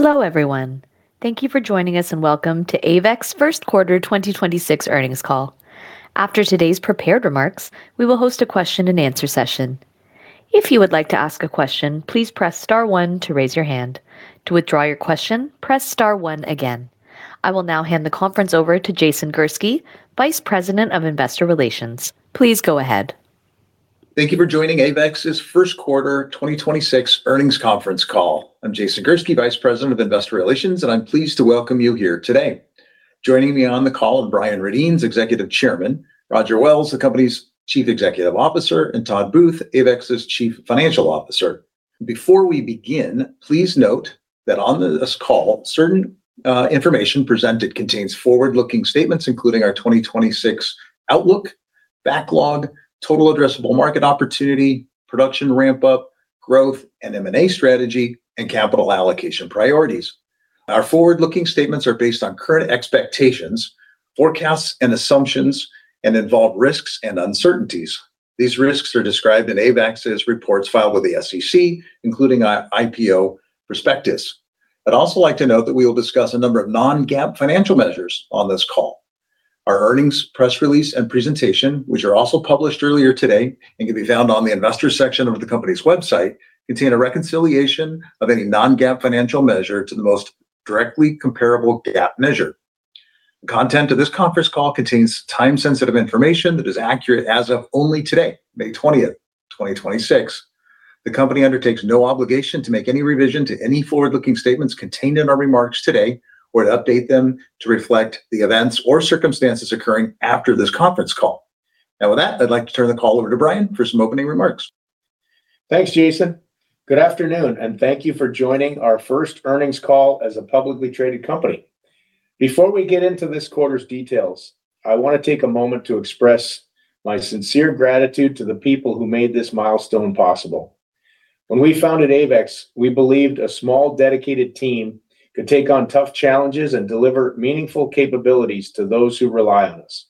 Hello, everyone. Thank you for joining us and welcome to AEVEX first quarter 2026 earnings call. After today's prepared remarks, we will host a question and answer session. If you would like to ask a question, please press star one to raise your hand. To withdraw your question, press star one again. I will now hand the conference over to Jason Gursky, Vice President of Investor Relations. Please go ahead. Thank you for joining AEVEX's first quarter 2026 earnings conference call. I'm Jason Gursky, Vice President of Investor Relations, I'm pleased to welcome you here today. Joining me on the call are Brian Raduenz, Executive Chairman, Roger Wells, the company's Chief Executive Officer, and Todd Booth, AEVEX's Chief Financial Officer. Before we begin, please note that on this call, certain information presented contains forward-looking statements, including our 2026 outlook, backlog, total addressable market opportunity, production ramp-up, growth and M&A strategy, and capital allocation priorities. Our forward-looking statements are based on current expectations, forecasts, and assumptions, involve risks and uncertainties. These risks are described in AEVEX's reports filed with the SEC, including our IPO prospectus. I'd also like to note that we will discuss a number of non-GAAP financial measures on this call. Our earnings, press release, and presentation, which were also published earlier today and can be found on the Investors section of the company's website, contain a reconciliation of any non-GAAP financial measure to the most directly comparable GAAP measure. The content of this conference call contains time-sensitive information that is accurate as of only today, May 20th, 2026. The company undertakes no obligation to make any revision to any forward-looking statements contained in our remarks today or to update them to reflect the events or circumstances occurring after this conference call. With that, I'd like to turn the call over to Brian for some opening remarks. Thanks, Jason. Good afternoon, and thank you for joining our first earnings call as a publicly traded company. Before we get into this quarter's details, I want to take a moment to express my sincere gratitude to the people who made this milestone possible. When we founded AEVEX, we believed a small, dedicated team could take on tough challenges and deliver meaningful capabilities to those who rely on us.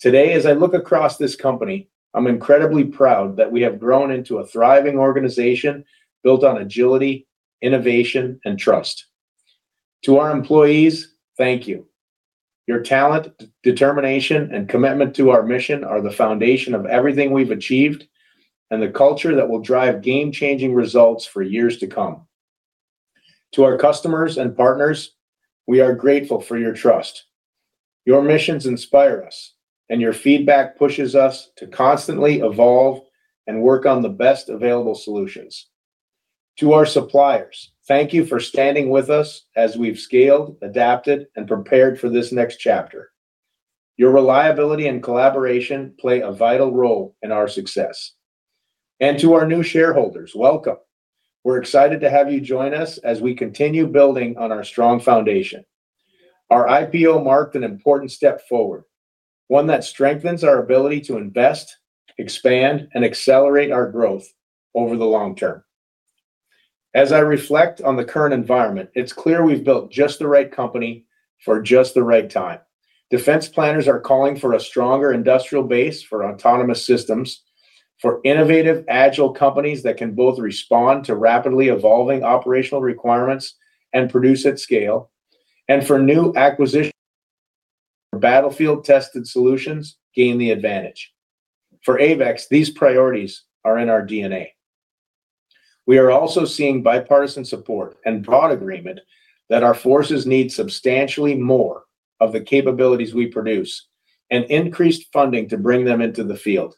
Today, as I look across this company, I'm incredibly proud that we have grown into a thriving organization built on agility, innovation, and trust. To our employees, thank you. Your talent, determination, and commitment to our mission are the foundation of everything we've achieved and the culture that will drive game-changing results for years to come. To our customers and partners, we are grateful for your trust. Your missions inspire us, and your feedback pushes us to constantly evolve and work on the best available solutions. To our suppliers, thank you for standing with us as we've scaled, adapted, and prepared for this next chapter. Your reliability and collaboration play a vital role in our success. To our new shareholders, welcome. We're excited to have you join us as we continue building on our strong foundation. Our IPO marked an important step forward, one that strengthens our ability to invest, expand, and accelerate our growth over the long term. As I reflect on the current environment, it's clear we've built just the right company for just the right time. Defense planners are calling for a stronger industrial base for autonomous systems, for innovative, agile companies that can both respond to rapidly evolving operational requirements and produce at scale, and for new acquisition, for battlefield-tested solutions gain the advantage. For AEVEX, these priorities are in our DNA. We are also seeing bipartisan support and broad agreement that our forces need substantially more of the capabilities we produce and increased funding to bring them into the field.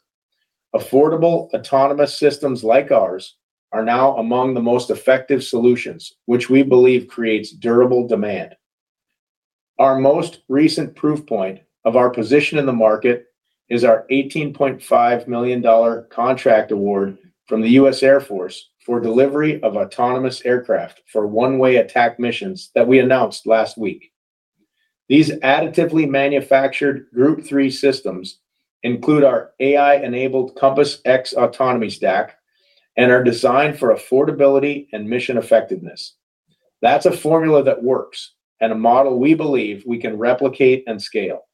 Affordable, autonomous systems like ours are now among the most effective solutions, which we believe creates durable demand. Our most recent proof point of our position in the market is our $18.5 million contract award from the US Air Force for delivery of autonomous aircraft for One Way Attack missions that we announced last week. These additively manufactured Group 3 systems include our AI-enabled CompassX autonomy stack and are designed for affordability and mission effectiveness. That's a formula that works and a model we believe we can replicate and scale.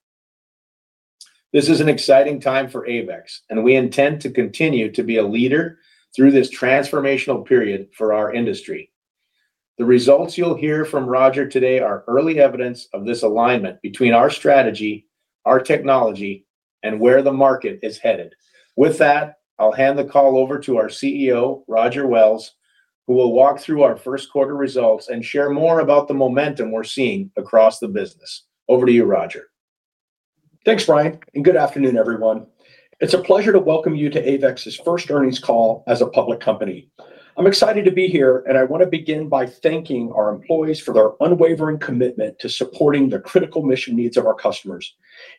This is an exciting time for AEVEX, and we intend to continue to be a leader through this transformational period for our industry. The results you'll hear from Roger today are early evidence of this alignment between our strategy, our technology, and where the market is headed. With that, I'll hand the call over to our CEO, Roger Wells, who will walk through our first quarter results and share more about the momentum we're seeing across the business. Over to you, Roger. Thanks, Brian, good afternoon, everyone. It's a pleasure to welcome you to AEVEX's first earnings call as a public company. I'm excited to be here. I want to begin by thanking our employees for their unwavering commitment to supporting the critical mission needs of our customers.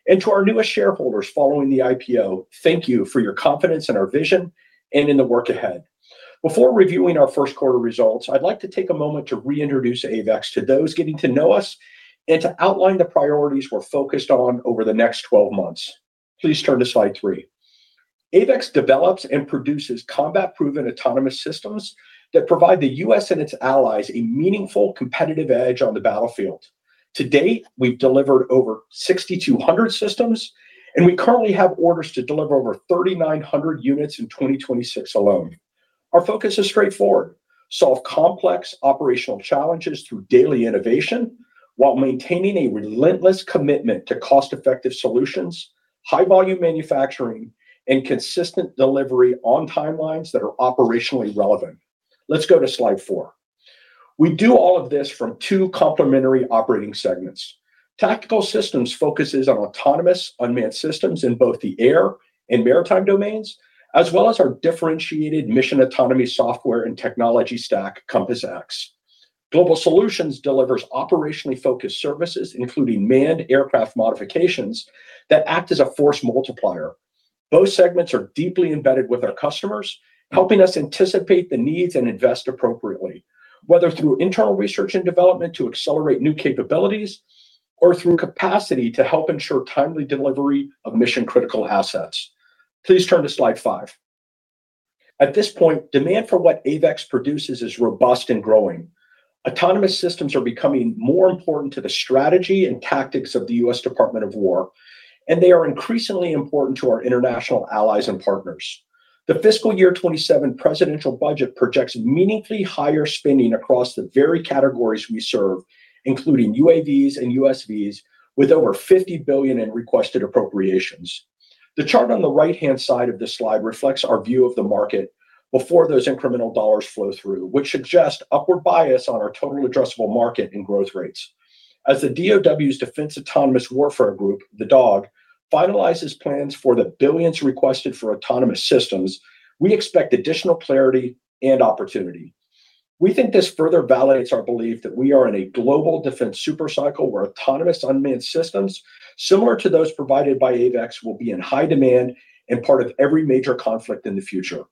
To our newest shareholders following the IPO, thank you for your confidence in our vision and in the work ahead. Before reviewing our first quarter results, I'd like to take a moment to reintroduce AEVEX to those getting to know us and to outline the priorities we're focused on over the next 12 months. Please turn to slide three. AEVEX develops and produces combat-proven autonomous systems that provide the U.S. and its allies a meaningful competitive edge on the battlefield. To date, we've delivered over 6,200 systems, and we currently have orders to deliver over 3,900 units in 2026 alone. Our focus is straightforward: solve complex operational challenges through daily innovation while maintaining a relentless commitment to cost-effective solutions, high-volume manufacturing, and consistent delivery on timelines that are operationally relevant. Let's go to slide four. We do all of this from two complementary operating segments. Tactical Systems focuses on autonomous unmanned systems in both the air and maritime domains, as well as our differentiated mission autonomy software and technology stack, CompassX. Global Solutions delivers operationally focused services, including manned aircraft modifications that act as a force multiplier. Both segments are deeply embedded with our customers, helping us anticipate the needs and invest appropriately, whether through internal research and development to accelerate new capabilities, or through capacity to help ensure timely delivery of mission-critical assets. Please turn to slide five. At this point, demand for what AEVEX produces is robust and growing. Autonomous systems are becoming more important to the strategy and tactics of the U.S. Department of War, and they are increasingly important to our international allies and partners. The FY 2027 presidential budget projects meaningfully higher spending across the very categories we serve, including UAVs and USVs, with over $50 billion in requested appropriations. The chart on the right-hand side of this slide reflects our view of the market before those incremental dollars flow through, which suggests upward bias on our total addressable market and growth rates. As the DOW's Defense Autonomous Warfare Group, the DAWG, finalizes plans for the billions requested for autonomous systems, we expect additional clarity and opportunity. We think this further validates our belief that we are in a global defense super cycle where autonomous unmanned systems, similar to those provided by AEVEX, will be in high demand and part of every major conflict in the future.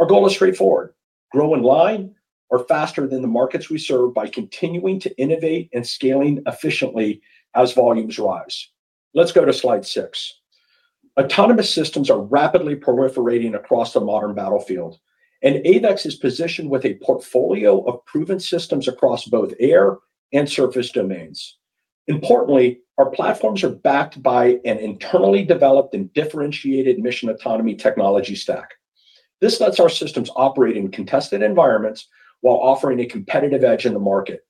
Our goal is straightforward: grow in line or faster than the markets we serve by continuing to innovate and scaling efficiently as volumes rise. Let's go to slide six. Autonomous systems are rapidly proliferating across the modern battlefield, and AEVEX is positioned with a portfolio of proven systems across both air and surface domains. Importantly, our platforms are backed by an internally developed and differentiated mission autonomy technology stack. This lets our systems operate in contested environments while offering a competitive edge in the market.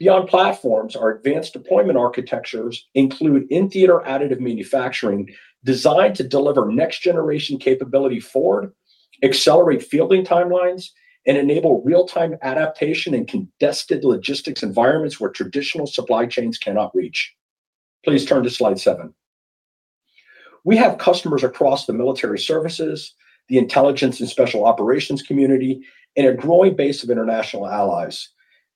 Beyond platforms, our advanced deployment architectures include in-theater additive manufacturing, designed to deliver next-generation capability forward, accelerate fielding timelines, and enable real-time adaptation in contested logistics environments where traditional supply chains cannot reach. Please turn to slide seven. We have customers across the military services, the intelligence and special operations community, and a growing base of international allies.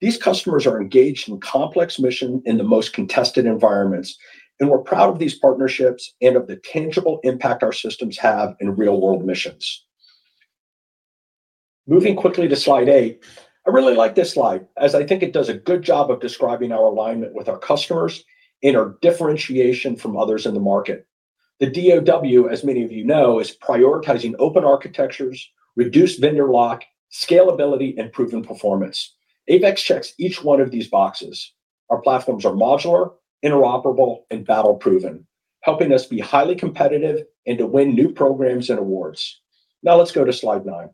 These customers are engaged in complex mission in the most contested environments, and we're proud of these partnerships and of the tangible impact our systems have in real-world missions. Moving quickly to slide eight. I really like this slide, as I think it does a good job of describing our alignment with our customers and our differentiation from others in the market. The DAWG, as many of you know, is prioritizing open architectures, reduced vendor lock, scalability, and proven performance. AEVEX checks each one of these boxes. Our platforms are modular, interoperable, and battle proven, helping us be highly competitive and to win new programs and awards. Let's go to slide nine.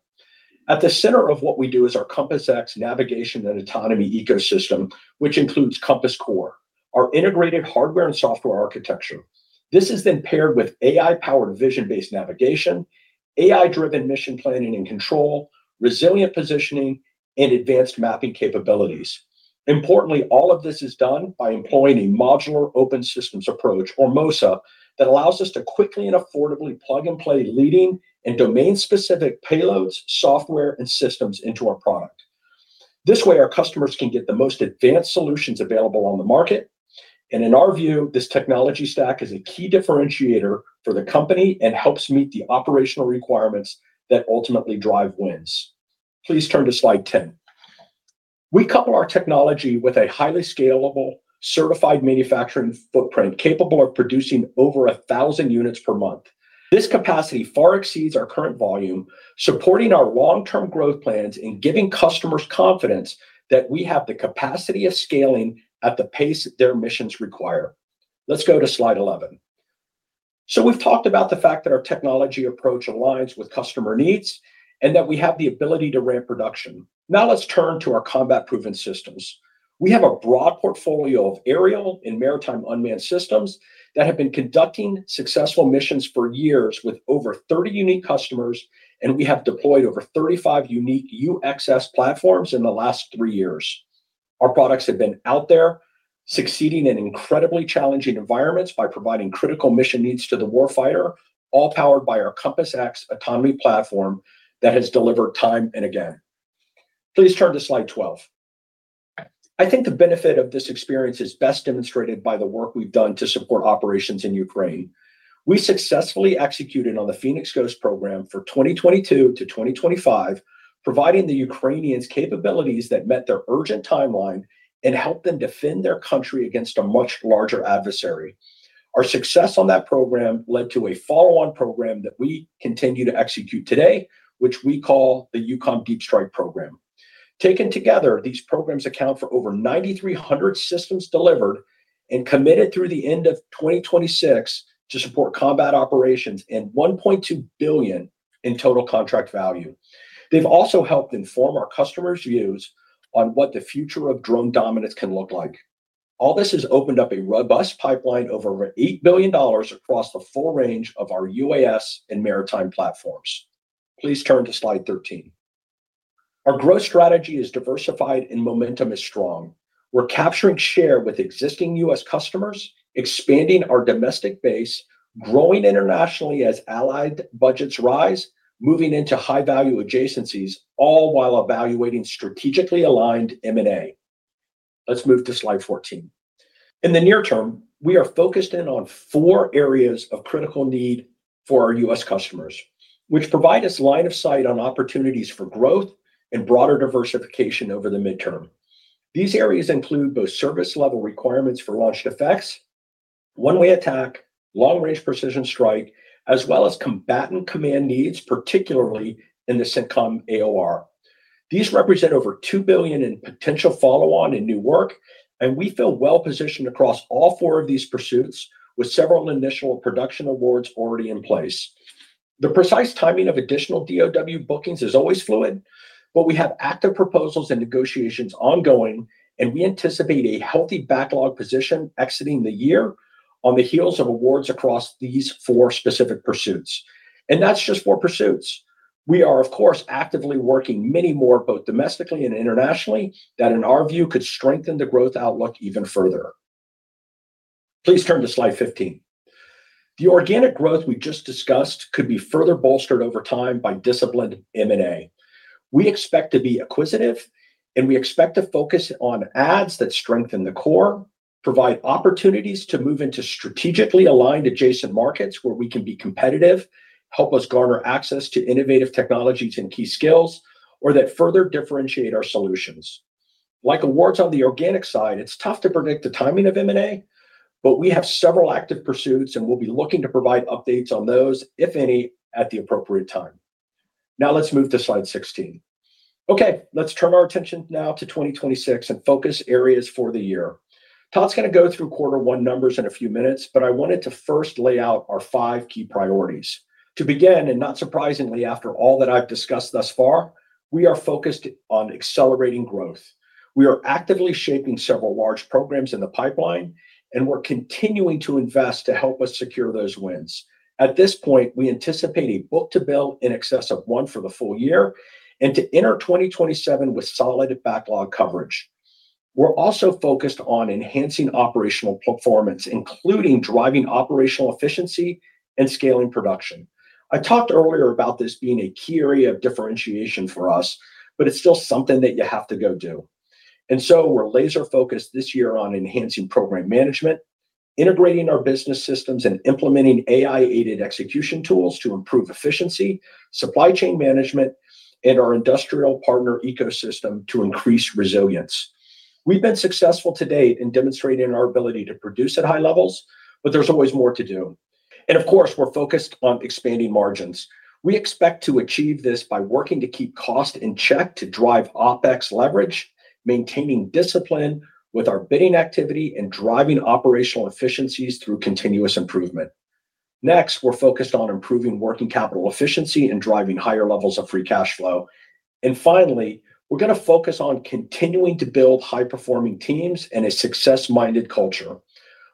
At the center of what we do is our CompassX navigation and autonomy ecosystem, which includes CompassCore, our integrated hardware and software architecture. This is then paired with AI-powered vision-based navigation, AI-driven mission planning and control, resilient positioning, and advanced mapping capabilities. Importantly, all of this is done by employing a modular open systems approach, or MOSA, that allows us to quickly and affordably plug and play leading and domain-specific payloads, software, and systems into our product. This way, our customers can get the most advanced solutions available on the market. In our view, this technology stack is a key differentiator for the company and helps meet the operational requirements that ultimately drive wins. Please turn to slide 10. We couple our technology with a highly scalable, certified manufacturing footprint capable of producing over 1,000 units per month. This capacity far exceeds our current volume, supporting our long-term growth plans and giving customers confidence that we have the capacity of scaling at the pace that their missions require. Let's go to slide 11. We've talked about the fact that our technology approach aligns with customer needs and that we have the ability to ramp production. Now let's turn to our combat-proven systems. We have a broad portfolio of aerial and maritime unmanned systems that have been conducting successful missions for years with over 30 unique customers, and we have deployed over 35 unique UXS platforms in the last three years. Our products have been out there succeeding in incredibly challenging environments by providing critical mission needs to the warfighter, all powered by our CompassX autonomy platform that has delivered time and again. Please turn to slide 12. I think the benefit of this experience is best demonstrated by the work we've done to support operations in Ukraine. We successfully executed on the Phoenix Ghost program for 2022 to 2025, providing the Ukrainians capabilities that met their urgent timeline and helped them defend their country against a much larger adversary. Our success on that program led to a follow-on program that we continue to execute today, which we call the EUCOM Deep Strike program. Taken together, these programs account for over 9,300 systems delivered and committed through the end of 2026 to support combat operations and $1.2 billion in total contract value. They've also helped inform our customers' views on what the future of drone dominance can look like. All this has opened up a robust pipeline of over $8 billion across the full range of our UAS and maritime platforms. Please turn to slide 13. Our growth strategy is diversified and momentum is strong. We're capturing share with existing U.S. customers, expanding our domestic base, growing internationally as allied budgets rise, moving into high-value adjacencies, all while evaluating strategically aligned M&A. Let's move to slide 14. In the near term, we are focused in on 4 areas of critical need for our U.S. customers, which provide us line of sight on opportunities for growth and broader diversification over the midterm. These areas include both service-level requirements for Launched Effects, One Way Attack, Long Range Precision Strike, as well as combatant command needs, particularly in the CENTCOM AOR. These represent over $2 billion in potential follow-on and new work. We feel well positioned across all four of these pursuits, with several initial production awards already in place. The precise timing of additional DOW bookings is always fluid. We have active proposals and negotiations ongoing, and we anticipate a healthy backlog position exiting the year on the heels of awards across these four specific pursuits. That's just four pursuits. We are, of course, actively working many more, both domestically and internationally, that in our view, could strengthen the growth outlook even further. Please turn to slide 15. The organic growth we just discussed could be further bolstered over time by disciplined M&A. We expect to be acquisitive, and we expect to focus on adds that strengthen the core, provide opportunities to move into strategically aligned adjacent markets where we can be competitive, help us garner access to innovative technologies and key skills, or that further differentiate our solutions. Like awards on the organic side, it's tough to predict the timing of M&A, but we have several active pursuits, and we'll be looking to provide updates on those, if any, at the appropriate time. Let's move to slide 16. Let's turn our attention now to 2026 and focus areas for the year. Todd's going to go through quarter one numbers in a few minutes, but I wanted to first lay out our five key priorities. To begin, and not surprisingly, after all that I've discussed thus far, we are focused on accelerating growth. We are actively shaping several large programs in the pipeline, and we're continuing to invest to help us secure those wins. At this point, we anticipate a book-to-bill in excess of one for the full year and to enter 2027 with solid backlog coverage. We're also focused on enhancing operational performance, including driving operational efficiency and scaling production. I talked earlier about this being a key area of differentiation for us, but it's still something that you have to go do. We're laser-focused this year on enhancing program management, integrating our business systems, and implementing AI-aided execution tools to improve efficiency, supply chain management, and our industrial partner ecosystem to increase resilience. We've been successful to date in demonstrating our ability to produce at high levels, but there's always more to do. Of course, we're focused on expanding margins. We expect to achieve this by working to keep cost in check to drive OpEx leverage, maintaining discipline with our bidding activity, and driving operational efficiencies through continuous improvement. We're focused on improving working capital efficiency and driving higher levels of free cash flow. Finally, we're going to focus on continuing to build high-performing teams and a success-minded culture.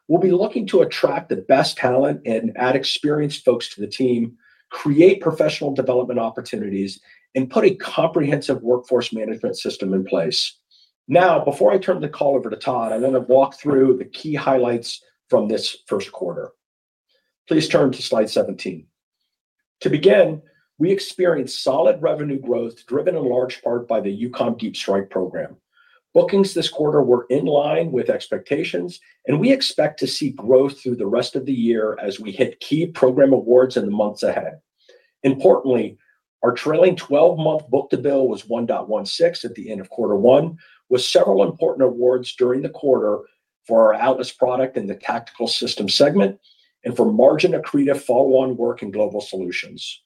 We'll be looking to attract the best talent and add experienced folks to the team, create professional development opportunities, and put a comprehensive workforce management system in place. Before I turn the call over to Todd, I'm going to walk through the key highlights from this first quarter. Please turn to slide 17. We experienced solid revenue growth driven in large part by the EUCOM Deep Strike program. Bookings this quarter were in line with expectations. We expect to see growth through the rest of the year as we hit key program awards in the months ahead. Importantly, our trailing 12-month book-to-bill was 1.16 at the end of quarter one, with several important awards during the quarter for our Atlas product and the Tactical Systems segment and for margin-accretive follow-on work in Global Solutions.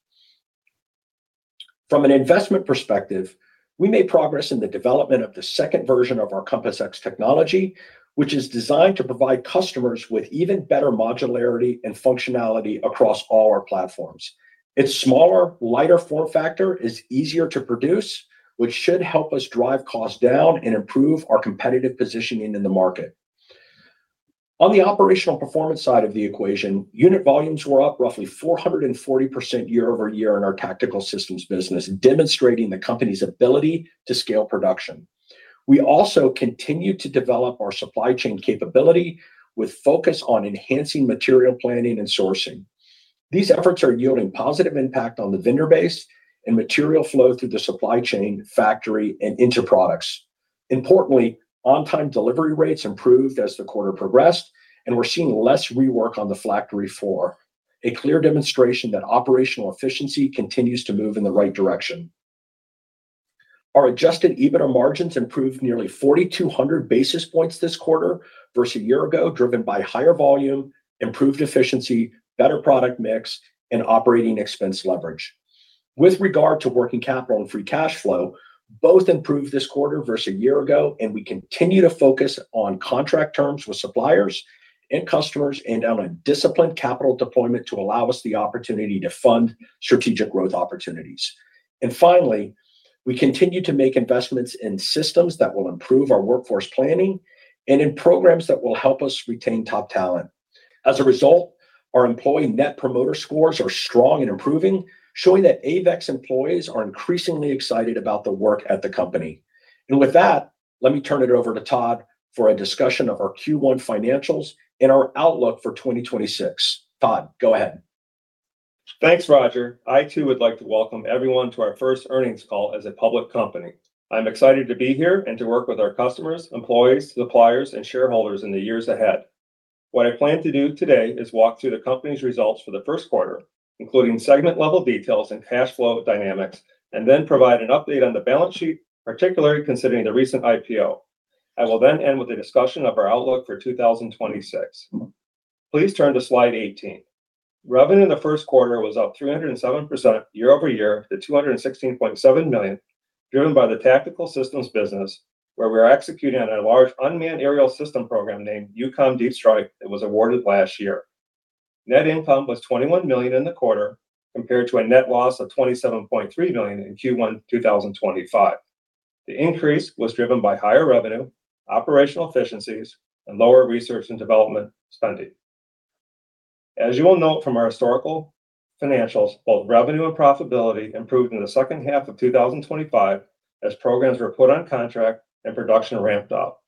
From an investment perspective, we made progress in the development of the second version of our CompassX technology, which is designed to provide customers with even better modularity and functionality across all our platforms. Its smaller, lighter form factor is easier to produce, which should help us drive costs down and improve our competitive positioning in the market. On the operational performance side of the equation, unit volumes were up roughly 440% year-over-year in our Tactical Systems business, demonstrating the company's ability to scale production. We also continued to develop our supply chain capability with focus on enhancing material planning and sourcing. These efforts are yielding positive impact on the vendor base and material flow through the supply chain, factory, and into products. Importantly, on-time delivery rates improved as the quarter progressed, and we're seeing less rework on the factory floor, a clear demonstration that operational efficiency continues to move in the right direction. Our adjusted EBITDA margins improved nearly 4,200 basis points this quarter versus a year ago, driven by higher volume, improved efficiency, better product mix, and operating expense leverage. With regard to working capital and free cash flow, both improved this quarter versus a year ago, and we continue to focus on contract terms with suppliers and customers and on a disciplined capital deployment to allow us the opportunity to fund strategic growth opportunities. Finally, we continue to make investments in systems that will improve our workforce planning and in programs that will help us retain top talent. As a result, our employee Net Promoter Scores are strong and improving, showing that AEVEX employees are increasingly excited about the work at the company. With that, let me turn it over to Todd for a discussion of our Q1 financials and our outlook for 2026. Todd, go ahead. Thanks, Roger. I too would like to welcome everyone to our first earnings call as a public company. I'm excited to be here and to work with our customers, employees, suppliers, and shareholders in the years ahead. What I plan to do today is walk through the company's results for the first quarter, including segment-level details and cash flow dynamics, then provide an update on the balance sheet, particularly considering the recent IPO. I will then end with a discussion of our outlook for 2026. Please turn to slide 18. Revenue in the first quarter was up 307% year-over-year to $216.7 million, driven by the Tactical Systems, where we are executing on a large unmanned aerial system program named EUCOM Deep Strike that was awarded last year. Net income was $21 million in the quarter, compared to a net loss of $27.3 million in Q1 2025. The increase was driven by higher revenue, operational efficiencies, and lower research and development spending. As you will note from our historical financials, both revenue and profitability improved in the second half of 2025 as programs were put on contract and production ramped up.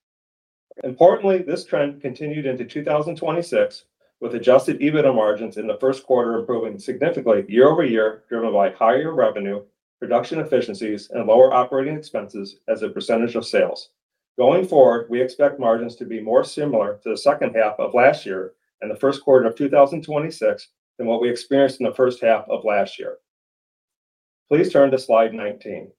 Importantly, this trend continued into 2026, with adjusted EBITDA margins in the first quarter improving significantly year-over-year, driven by higher revenue, production efficiencies, and lower operating expenses as a percentage of sales. Going forward, we expect margins to be more similar to the second half of last year and the first quarter of 2026 than what we experienced in the first half of last year. Please turn to slide 19.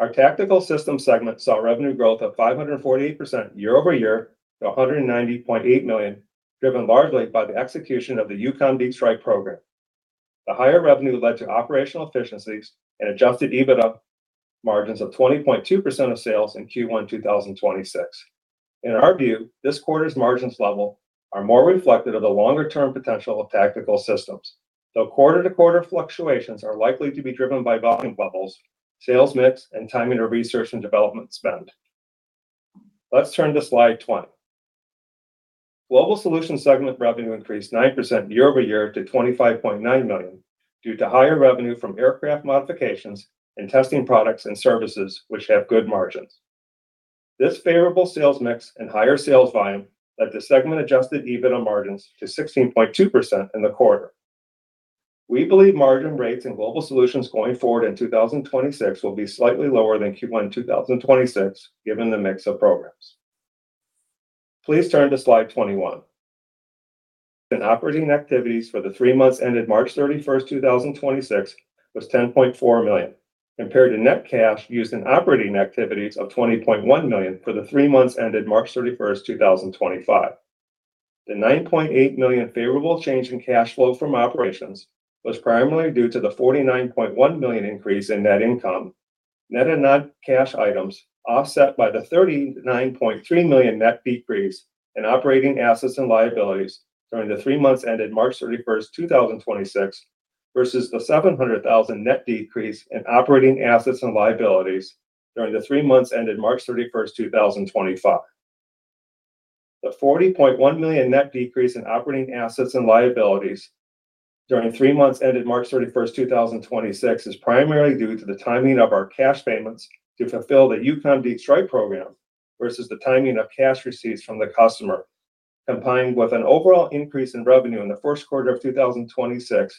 Our Tactical Systems segment saw revenue growth of 548% year-over-year to $190.8 million, driven largely by the execution of the EUCOM Deep Strike program. The higher revenue led to operational efficiencies and adjusted EBITDA margins of 20.2% of sales in Q1 2026. In our view, this quarter's margins level are more reflective of the longer-term potential of Tactical Systems, though quarter-to-quarter fluctuations are likely to be driven by volume levels, sales mix, and timing of research and development spend. Let's turn to slide 20. Global Solutions segment revenue increased 9% year-over-year to $25.9 million due to higher revenue from aircraft modifications and testing products and services which have good margins. This favorable sales mix and higher sales volume led the segment adjusted EBITDA margins to 16.2% in the quarter. We believe margin rates in Global Solutions going forward in 2026 will be slightly lower than Q1 2026, given the mix of programs. Please turn to slide 21. In operating activities for the three months ended March 31st, 2026, was $10.4 million, compared to net cash used in operating activities of $20.1 million for the three months ended March 31st, 2025. The $9.8 million favorable change in cash flow from operations was primarily due to the $49.1 million increase in net income, net and non-cash items, offset by the $39.3 million net decrease in operating assets and liabilities during the three months ended March 31st, 2026, versus the $700,000 net decrease in operating assets and liabilities during the three months ended March 31st, 2025. The $40.1 million net decrease in operating assets and liabilities during three months ended March 31st, 2026, is primarily due to the timing of our cash payments to fulfill the EUCOM Deep Strike program versus the timing of cash receipts from the customer, combined with an overall increase in revenue in the first quarter of 2026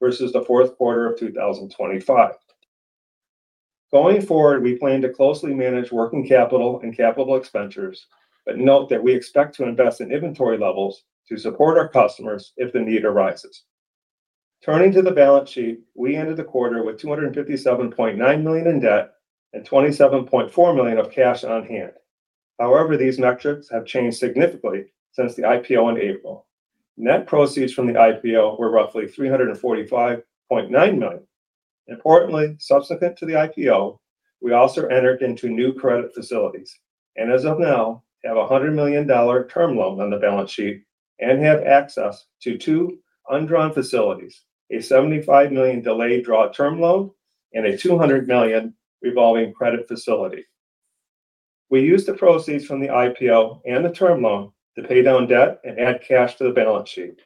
versus the fourth quarter of 2025. Going forward, we plan to closely manage working capital and capital expenditures, Note that we expect to invest in inventory levels to support our customers if the need arises. Turning to the balance sheet, we ended the quarter with $257.9 million in debt and $27.4 million of cash on hand. These metrics have changed significantly since the IPO in April. Net proceeds from the IPO were roughly $345.9 million. Importantly, subsequent to the IPO, we also entered into new credit facilities and as of now have a $100 million term loan on the balance sheet and have access to two undrawn facilities, a $75 million delayed draw term loan and a $200 million revolving credit facility. We used the proceeds from the IPO and the term loan to pay down debt and add cash to the balance sheet.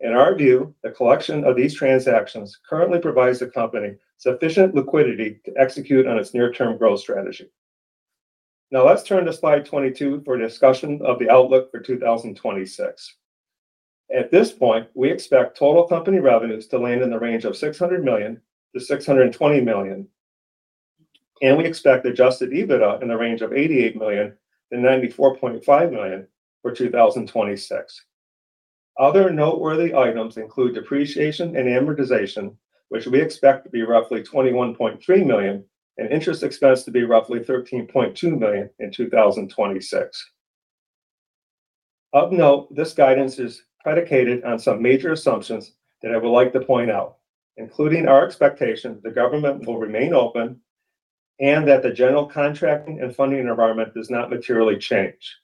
In our view, the collection of these transactions currently provides the company sufficient liquidity to execute on its near-term growth strategy. Let's turn to slide 22 for a discussion of the outlook for 2026. At this point, we expect total company revenues to land in the range of $600 million-$620 million, and we expect adjusted EBITDA in the range of $88 million-$94.5 million for 2026. Other noteworthy items include depreciation and amortization, which we expect to be roughly $21.3 million, and interest expense to be roughly $13.2 million in 2026. Of note, this guidance is predicated on some major assumptions that I would like to point out, including our expectation the government will remain open and that the general contracting and funding environment does not materially change.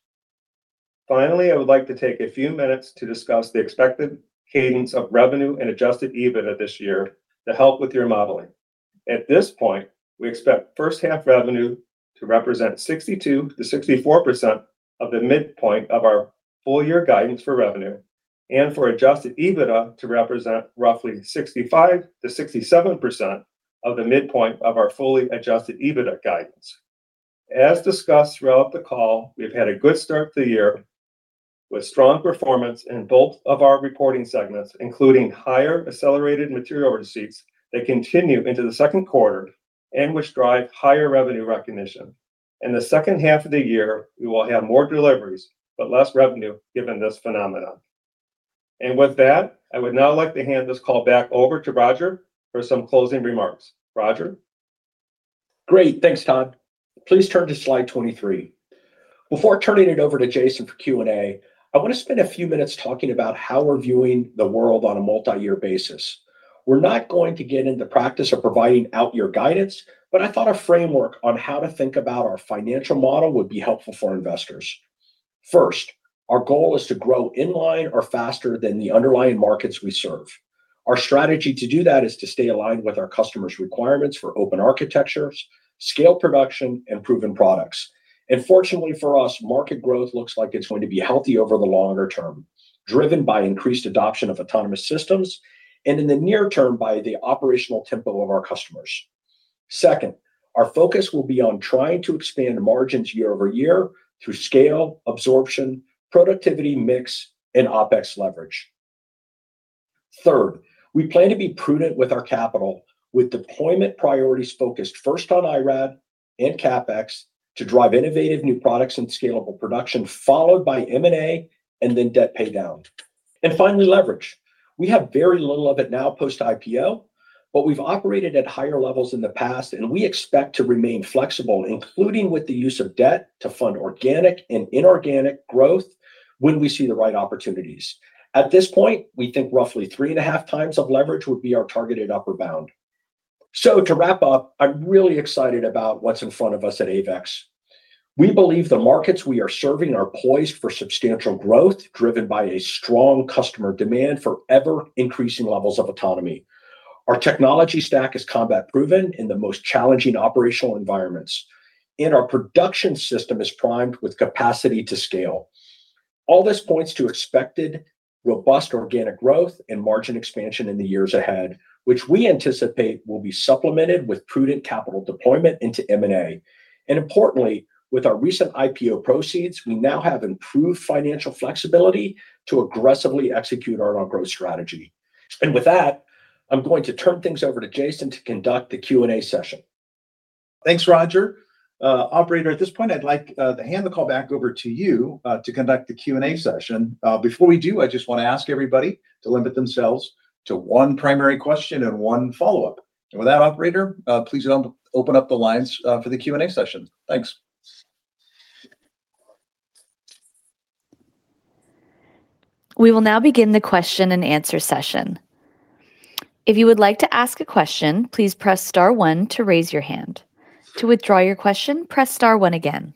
Finally, I would like to take a few minutes to discuss the expected cadence of revenue and adjusted EBITDA this year to help with your modeling. At this point, we expect first-half revenue to represent 62%-64% of the midpoint of our full-year guidance for revenue, and for adjusted EBITDA to represent roughly 65%-67% of the midpoint of our fully adjusted EBITDA guidance. As discussed throughout the call, we've had a good start to the year, with strong performance in both of our reporting segments, including higher accelerated material receipts that continue into the second quarter and which drive higher revenue recognition. In the second half of the year, we will have more deliveries but less revenue given this phenomenon. With that, I would now like to hand this call back over to Roger for some closing remarks. Roger? Great. Thanks, Todd. Please turn to slide 23. Before turning it over to Jason for Q&A, I want to spend a few minutes talking about how we're viewing the world on a multi-year basis. We're not going to get into practice or providing out year guidance. I thought a framework on how to think about our financial model would be helpful for investors. First, our goal is to grow in line or faster than the underlying markets we serve. Our strategy to do that is to stay aligned with our customers' requirements for open architectures, scale production, and proven products. Fortunately for us, market growth looks like it's going to be healthy over the longer term, driven by increased adoption of autonomous systems, and in the near term, by the operational tempo of our customers. Second, our focus will be on trying to expand margins year-over-year through scale, absorption, productivity mix, and OpEx leverage. Third, we plan to be prudent with our capital, with deployment priorities focused first on IRAD and CapEx to drive innovative new products and scalable production, followed by M&A, and then debt paydown. Finally, leverage. We have very little of it now post-IPO, but we've operated at higher levels in the past, and we expect to remain flexible, including with the use of debt to fund organic and inorganic growth when we see the right opportunities. At this point, we think roughly 3.5x leverage would be our targeted upper bound. To wrap up, I'm really excited about what's in front of us at AEVEX. We believe the markets we are serving are poised for substantial growth, driven by a strong customer demand for ever-increasing levels of autonomy. Our technology stack is combat-proven in the most challenging operational environments, and our production system is primed with capacity to scale. All this points to expected robust organic growth and margin expansion in the years ahead, which we anticipate will be supplemented with prudent capital deployment into M&A. Importantly, with our recent IPO proceeds, we now have improved financial flexibility to aggressively execute on our growth strategy. With that, I'm going to turn things over to Jason to conduct the Q&A session. Thanks, Roger. Operator, at this point, I'd like to hand the call back over to you to conduct the Q&A session. Before we do, I just want to ask everybody to limit themselves to one primary question and one follow-up. With that, Operator, please open up the lines for the Q&A session. Thanks. We will now begin the question and answer session. If you would like to ask a question, please press star one to raise your hand. To withdraw your question, press star one again.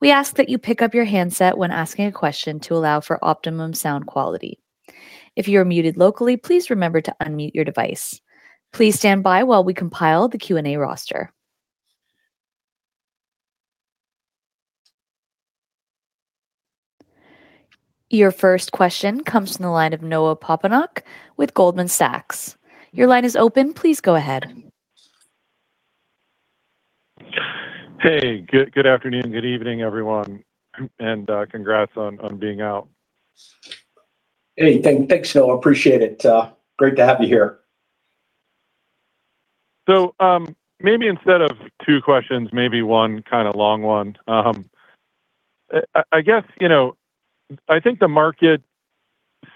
We ask that you pick up your handset when asking a question to allow for optimum sound quality. If you are muted locally, please remember to unmute your device. Please stand by while we compile the Q&A roster. Your first question comes from the line of Noah Poponak with Goldman Sachs. Your line is open. Please go ahead. Hey. Good afternoon, good evening, everyone, and congrats on being out. Hey, thanks, Noah, appreciate it. Great to have you here. Maybe instead of two questions, maybe one kind of long one. I think the market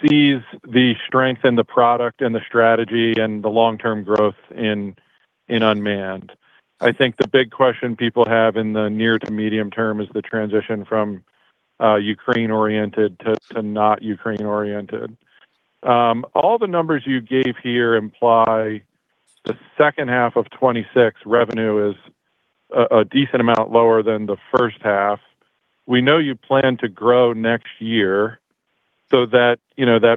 sees the strength in the product and the strategy and the long-term growth in unmanned. I think the big question people have in the near to medium term is the transition from Ukraine-oriented to not Ukraine-oriented. All the numbers you gave here imply the second half of 2026 revenue is a decent amount lower than the first half. We know you plan to grow next year, so that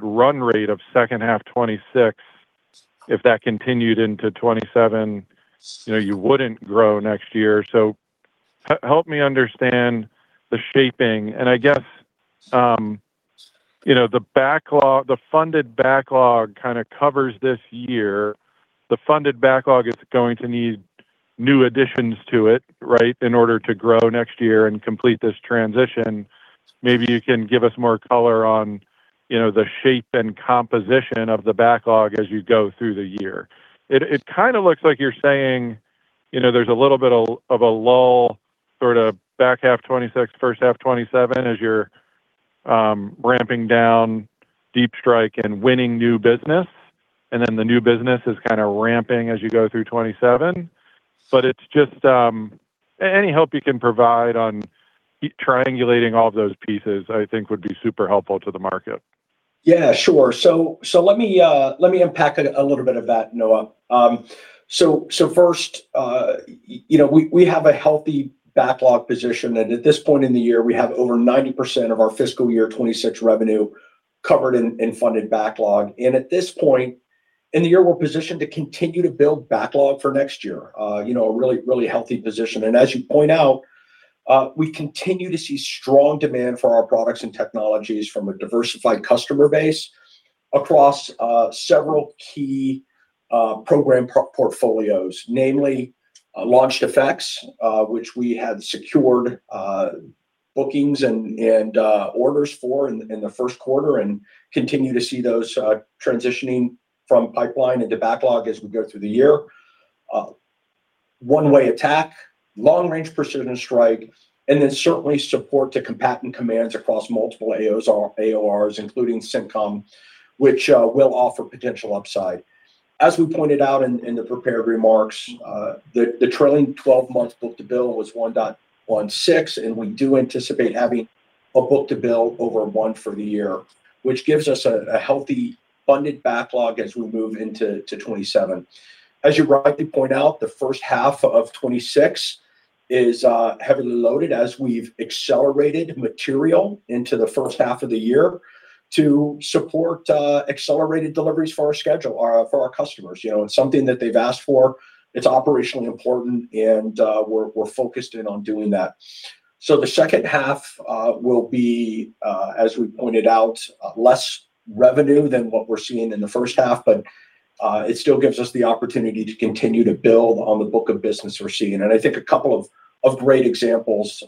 run rate of second half 2026, if that continued into 2027, you wouldn't grow next year. Help me understand the shaping. I guess the funded backlog kind of covers this year. The funded backlog is going to need new additions to it, right? In order to grow next year and complete this transition. Maybe you can give us more color on the shape and composition of the backlog as you go through the year. It kind of looks like you're saying there's a little bit of a lull sort of back half 2026, first half 2027, as you're ramping down Deep Strike and winning new business, and then the new business is kind of ramping as you go through 2027. It's just, any help you can provide on triangulating all of those pieces, I think would be super helpful to the market. Yeah, sure. Let me unpack a little bit of that, Noah. First, we have a healthy backlog position, and at this point in the year, we have over 90% of our fiscal year 2026 revenue covered in funded backlog. At this point in the year, we're positioned to continue to build backlog for next year. A really, really healthy position. As you point out, we continue to see strong demand for our products and technologies from a diversified customer base across several key program portfolios. Namely, Launched Effects, which we had secured bookings and orders for in the first quarter, and continue to see those transitioning from pipeline into backlog as we go through the year. One Way Attack, Long Range Precision Strike, and then certainly support to combatant commands across multiple AORs, including CENTCOM, which will offer potential upside. As we pointed out in the prepared remarks, the trailing 12-month book-to-bill was 1.16, and we do anticipate having a book-to-bill over one for the year, which gives us a healthy funded backlog as we move into 2027. As you rightly point out, the first half of 2026 is heavily loaded, as we've accelerated material into the first half of the year to support accelerated deliveries for our customers. It's something that they've asked for, it's operationally important, and we're focused in on doing that. The second half will be, as we pointed out, less revenue than what we're seeing in the first half, but it still gives us the opportunity to continue to build on the book of business we're seeing. I think a couple of great examples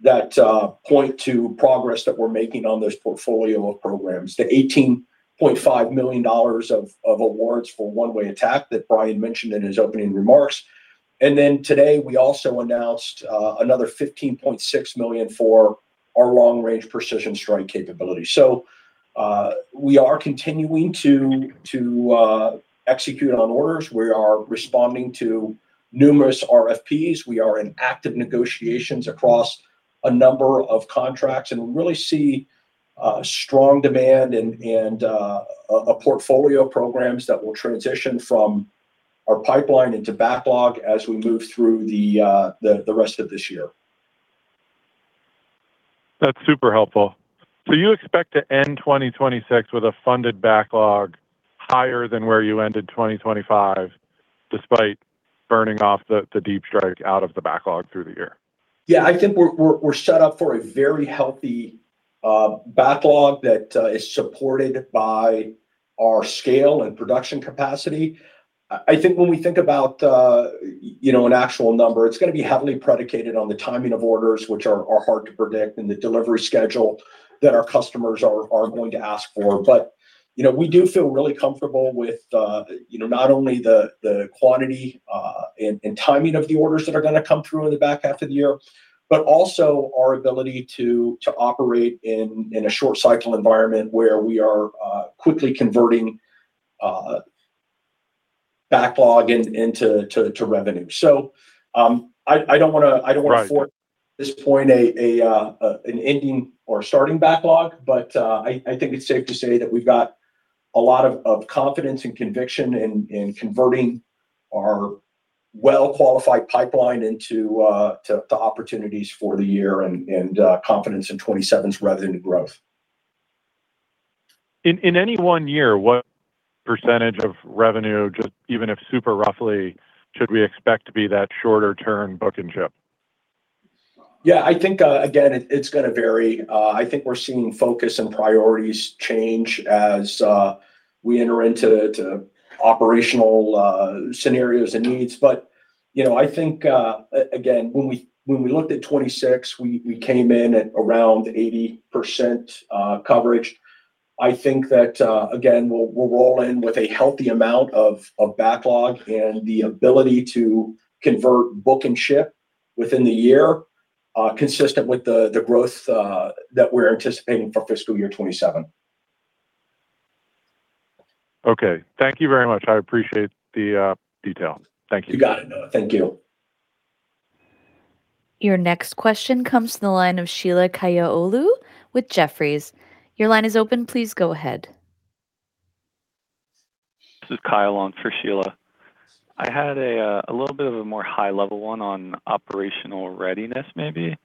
that point to progress that we're making on those portfolio of programs, the $18.5 million of awards for One Way Attack that Brian mentioned in his opening remarks. Today, we also announced another $15.6 million for our Long Range Precision Strike capability. We are continuing to execute on orders. We are responding to numerous RFPs. We are in active negotiations across a number of contracts, and really see strong demand and a portfolio of programs that will transition from our pipeline into backlog as we move through the rest of this year. That's super helpful. You expect to end 2026 with a funded backlog higher than where you ended 2025, despite burning off the Deep Strike out of the backlog through the year? Yeah, I think we're set up for a very healthy backlog that is supported by our scale and production capacity. I think when we think about an actual number, it's going to be heavily predicated on the timing of orders, which are hard to predict, and the delivery schedule that our customers are going to ask for. We do feel really comfortable with not only the quantity and timing of the orders that are going to come through in the back half of the year, but also our ability to operate in a short cycle environment where we are quickly converting backlog into revenue. Right I don't wanna afford, at this point, an ending or starting backlog. I think it's safe to say that we've got a lot of confidence and conviction in converting our well-qualified pipeline into opportunities for the year, and confidence in 2027's revenue growth. In any one year, what % of revenue, just even if super roughly, should we expect to be that shorter-term book-and-ship? Yeah, I think, again, it's going to vary. I think we're seeing focus and priorities change as we enter into operational scenarios and needs. I think, again, when we looked at 2026, we came in at around 80% coverage. I think that, again, we'll roll in with a healthy amount of backlog and the ability to convert, book, and ship within the year, consistent with the growth that we're anticipating for fiscal year 2027. Okay. Thank you very much. I appreciate the details. Thank you. You got it, Noah. Thank you. Your next question comes from the line of Sheila Kahyaoglu with Jefferies. Your line is open. Please go ahead. This is Kyle on for Sheila. I had a little bit of a more high-level one on operational readiness, maybe.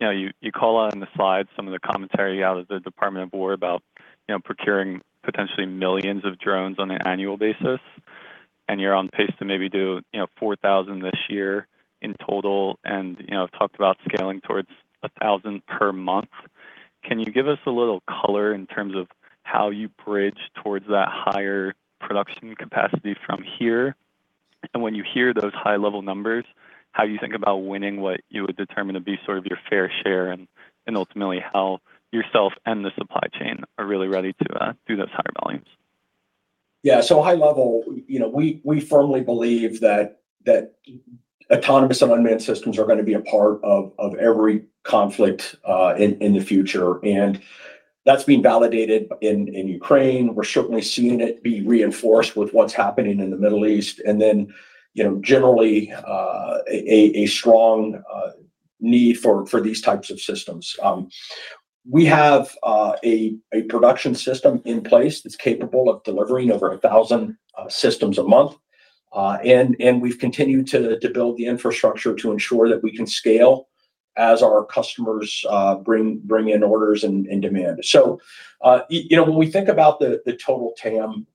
You call out in the slide some of the commentary out of the Department of War about procuring potentially millions of drones on an annual basis. You're on pace to maybe do 4,000 this year in total, and talked about scaling towards 1,000 per month. Can you give us a little color in terms of how you bridge towards that higher production capacity from here? When you hear those high-level numbers, how you think about winning what you would determine to be sort of your fair share, and ultimately, how yourself and the supply chain are really ready to do those higher volumes? Yeah. High level, we firmly believe that autonomous and unmanned systems are going to be a part of every conflict in the future, and that's been validated in Ukraine. We're certainly seeing it be reinforced with what's happening in the Middle East. Generally, a strong need for these types of systems. We have a production system in place that's capable of delivering over 1,000 systems a month. We've continued to build the infrastructure to ensure that we can scale as our customers bring in orders and demand. When we think about the total TAM,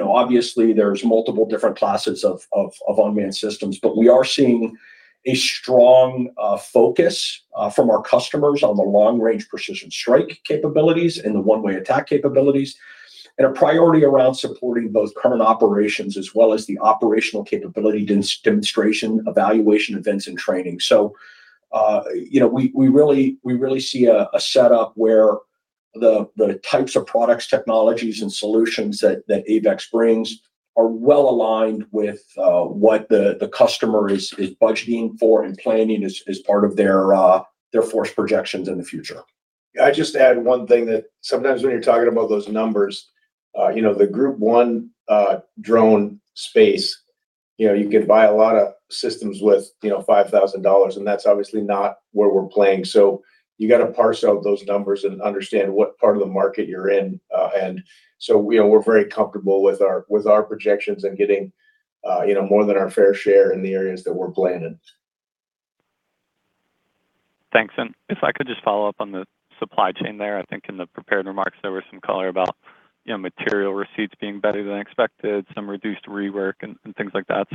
obviously there's multiple different classes of unmanned systems. We are seeing a strong focus from our customers on the Long Range Precision Strike capabilities and the One Way Attack capabilities, and a priority around supporting both current operations as well as the operational capability demonstration, evaluation, events, and training. We really see a setup where the types of products, technologies, and solutions that AEVEX brings are well-aligned with what the customer is budgeting for and planning as part of their force projections in the future. I'd just add one thing, that sometimes when you're talking about those numbers, the Group 1 drone space, you could buy a lot of systems with $5,000, and that's obviously not where we're playing. We're very comfortable with our projections and getting more than our fair share in the areas that we're playing in. Thanks. If I could just follow up on the supply chain there. I think in the prepared remarks, there was some color about material receipts being better than expected, some reduced rework, and things like that.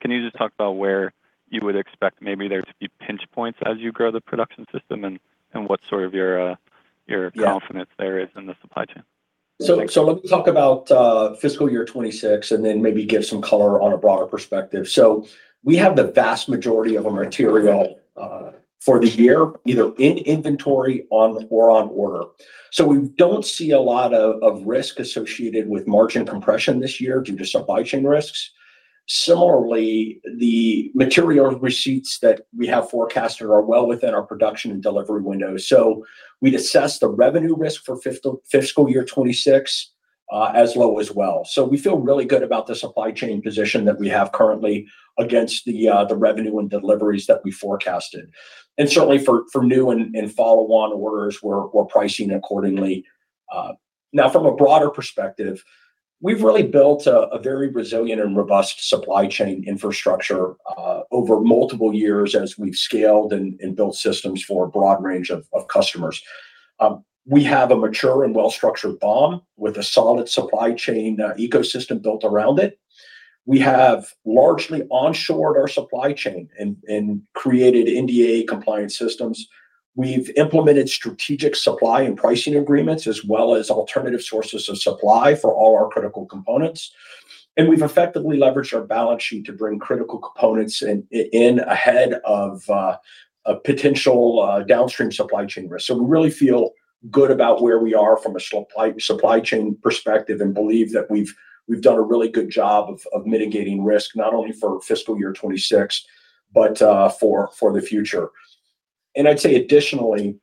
Can you just talk about where you would expect maybe there to be pinch points as you grow the production system? Yeah confidence there is in the supply chain? Let me talk about fiscal year 2026, and then maybe give some color on a broader perspective. We have the vast majority of our material for the year, either in inventory or on order. We don't see a lot of risk associated with margin compression this year due to supply chain risks. Similarly, the material receipts that we have forecasted are well within our production and delivery window. We'd assess the revenue risk for fiscal year 2026 as low as well. We feel really good about the supply chain position that we have currently against the revenue and deliveries that we forecasted. Certainly for new and follow-on orders, we're pricing accordingly. Now, from a broader perspective, we've really built a very resilient and robust supply chain infrastructure over multiple years as we've scaled and built systems for a broad range of customers. We have a mature and well-structured BOM with a solid supply chain ecosystem built around it. We have largely onshored our supply chain and created NDAA-compliant systems. We've implemented strategic supply and pricing agreements, as well as alternative sources of supply for all our critical components. We've effectively leveraged our balance sheet to bring critical components in ahead of potential downstream supply chain risk. We really feel good about where we are from a supply chain perspective and believe that we've done a really good job of mitigating risk, not only for FY 2026, but for the future. Additionally, I'd say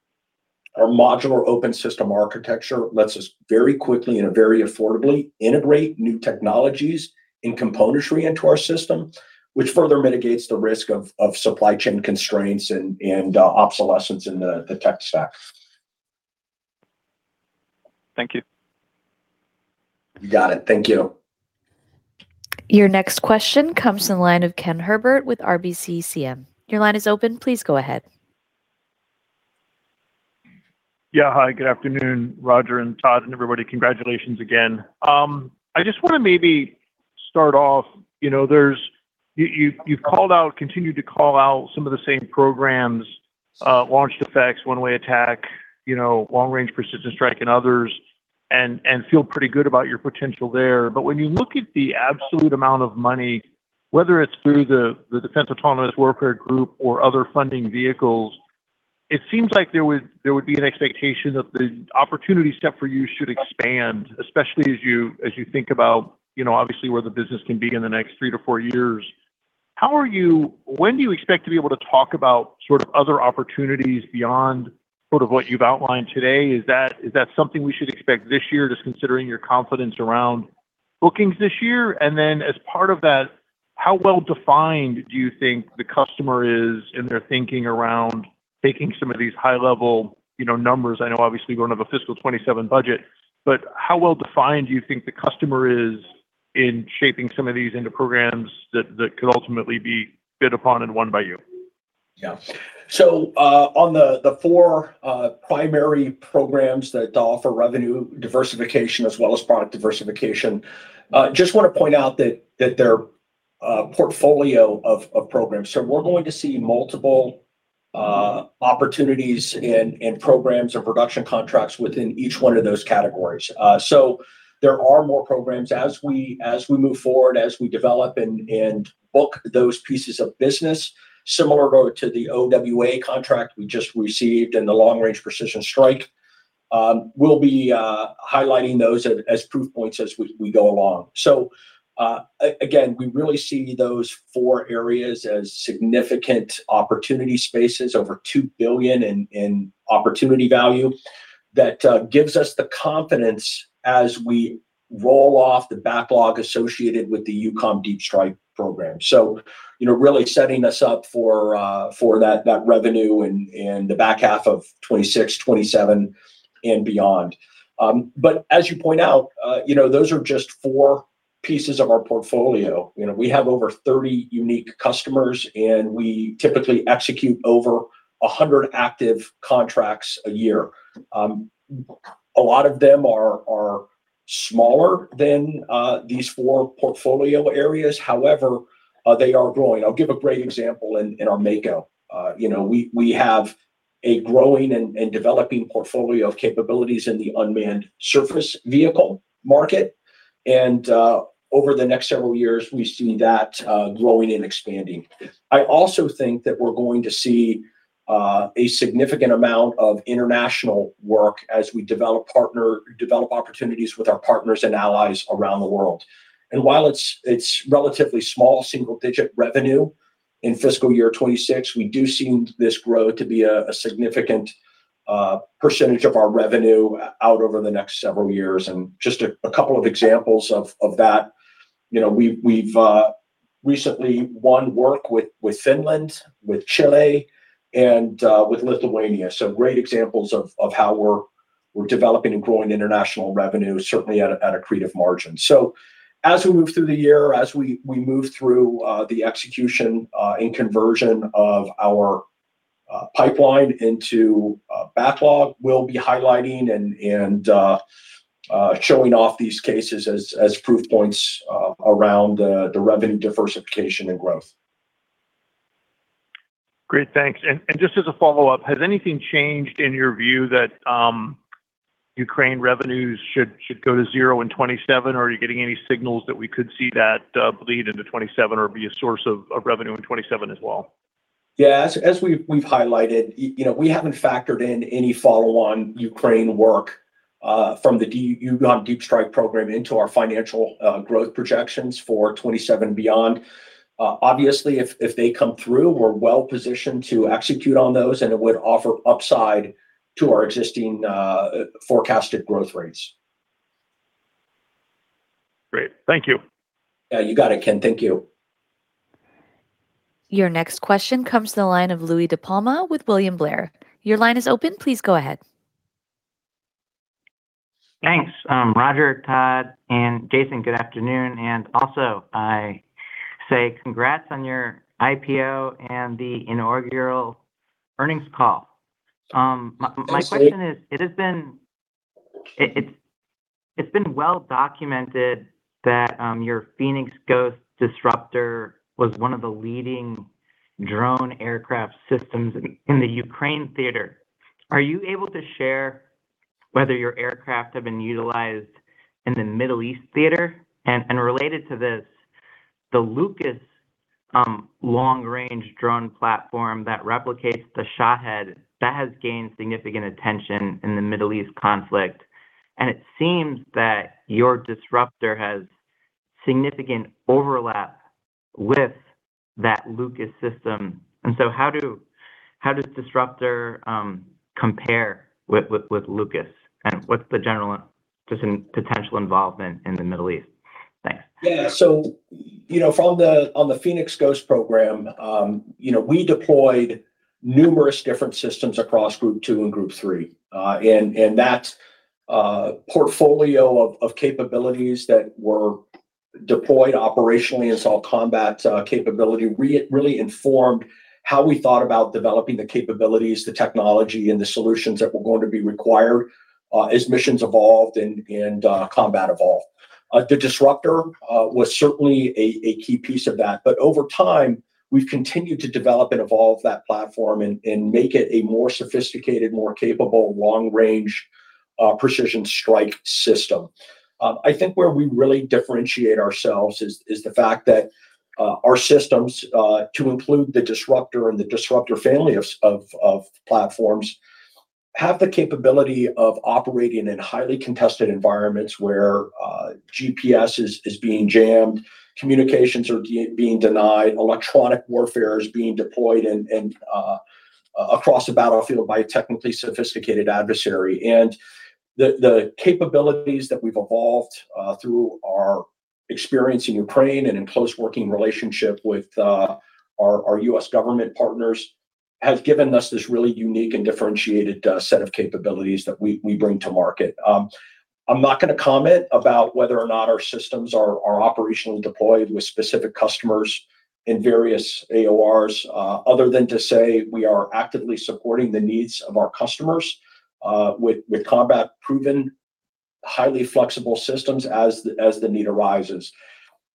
our modular open system architecture lets us very quickly and very affordably integrate new technologies and components right into our system, which further mitigates the risk of supply chain constraints and obsolescence in the tech stack. Thank you. You got it. Thank you. Your next question comes in the line of Kenneth Herbert with RBCCM. Your line is open. Please go ahead. Yeah. Hi, good afternoon, Roger and Todd, and everybody. Congratulations again. I just want to maybe start off, you've called out, continued to call out some of the same programs, Launched Effects, One Way Attack, Long Range Precision Strike, and others, and feel pretty good about your potential there. When you look at the absolute amount of money, whether it's through the Defense Autonomous Warfare Group or other funding vehicles, it seems like there would be an expectation that the opportunity set for you should expand, especially as you think about, obviously, where the business can be in the next three to four years. When do you expect to be able to talk about sort of other opportunities beyond sort of what you've outlined today? Is that something we should expect this year, just considering your confidence around bookings this year? As part of that, how well-defined do you think the customer is in their thinking around taking some of these high-level numbers? I know, obviously, we don't have a fiscal 2027 budget. How well-defined do you think the customer is in shaping some of these into programs that could ultimately be bid upon and won by you? On the four primary programs that offer revenue diversification as well as product diversification, just want to point out that they're a portfolio of programs. We're going to see multiple opportunities and programs or production contracts within each one of those categories. There are more programs as we move forward, as we develop and book those pieces of business. Similar to the OWA contract we just received and the Long Range Precision Strike. We'll be highlighting those as proof points as we go along. Again, we really see those four areas as significant opportunity spaces, over $2 billion in opportunity value. That gives us the confidence as we roll off the backlog associated with the EUCOM Deep Strike program. Really setting us up for that revenue in the back half of 2026, 2027, and beyond. As you point out, those are just four pieces of our portfolio. We have over 30 unique customers, and we typically execute over 100 active contracts a year. A lot of them are smaller than these four portfolio areas. However, they are growing. I will give a great example in our Mako. We have a growing and developing portfolio of capabilities in the unmanned surface vehicle market. Over the next several years, we see that growing and expanding. I also think that we are going to see a significant amount of international work as we develop opportunities with our partners and allies around the world. While it is relatively small, single-digit revenue in fiscal year 2026, we do see this grow to be a significant percentage of our revenue out over the next several years. Just a couple of examples of that, we've recently won work with Finland, with Chile, and with Lithuania. Great examples of how we're developing and growing international revenue, certainly at an accretive margin. As we move through the year, as we move through the execution and conversion of our pipeline into backlog, we'll be highlighting and showing off these cases as proof points around the revenue diversification and growth. Great, thanks. Just as a follow-up, has anything changed in your view that Ukraine revenues should go to zero in 2027? Are you getting any signals that we could see that bleed into 2027 or be a source of revenue in 2027 as well? Yeah, as we've highlighted, we haven't factored in any follow-on Ukraine work from the EUCOM Deep Strike program into our financial growth projections for 2027 and beyond. Obviously, if they come through, we're well-positioned to execute on those, and it would offer upside to our existing forecasted growth rates. Great. Thank you. Yeah, you got it, Kenneth. Thank you. Your next question comes to the line of Louie DiPalma with William Blair. Your line is open. Please go ahead. Thanks. Roger, Todd, and Jason, good afternoon. Also, I say congrats on your IPO and the inaugural earnings call. Absolutely. My question is, it's been well-documented that your Phoenix Ghost Disruptor was one of the leading drone aircraft systems in the Ukraine theater. Are you able to share whether your aircraft have been utilized in the Middle East theater? Related to this, the LUCAS long-range drone platform that replicates the Shahed, that has gained significant attention in the Middle East conflict, and it seems that your Disruptor has significant overlap with that LUCAS system. How does Disruptor compare with LUCAS, and what's the general potential involvement in the Middle East? Thanks. On the Phoenix Ghost program, we deployed numerous different systems across Group 2 and Group 3. That portfolio of capabilities that were deployed operationally as all-combat capability really informed how we thought about developing the capabilities, the technology, and the solutions that were going to be required as missions evolved and combat evolved. The Disruptor was certainly a key piece of that. Over time, we've continued to develop and evolve that platform and make it a more sophisticated, more capable, long-range, precision strike system. I think where we really differentiate ourselves is the fact that our systems, to include the Disruptor and the Disruptor family of platforms, have the capability of operating in highly contested environments where GPS is being jammed, communications are being denied, electronic warfare is being deployed, and across the battlefield by a technically sophisticated adversary. The capabilities that we've evolved through our experience in Ukraine and in close working relationship with our U.S. government partners, have given us this really unique and differentiated set of capabilities that we bring to market. I'm not going to comment about whether or not our systems are operationally deployed with specific customers in various AORs, other than to say we are actively supporting the needs of our customers with combat-proven, highly flexible systems as the need arises.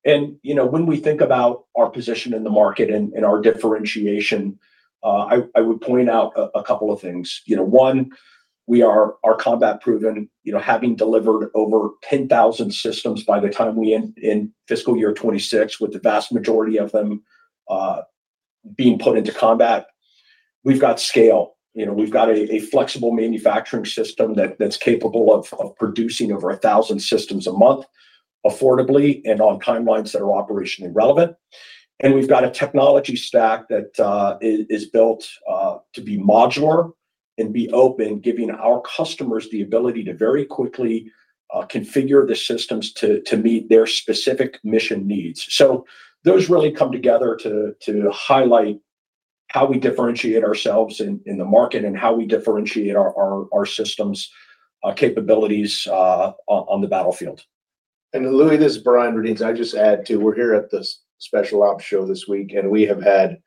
When we think about our position in the market and our differentiation, I would point out a couple of things. One, we are combat-proven, having delivered over 10,000 systems by the time we end FY 2026, with the vast majority of them being put into combat, we've got scale. We've got a flexible manufacturing system that's capable of producing over 1,000 systems a month affordably and on timelines that are operationally relevant. We've got a technology stack that is built to be modular and be open, giving our customers the ability to very quickly configure the systems to meet their specific mission needs. Those really come together to highlight how we differentiate ourselves in the market and how we differentiate our systems' capabilities on the battlefield. Louie, this is Brian Raduenz. I'd just add, too, we're here at SOF Week this week, and we have had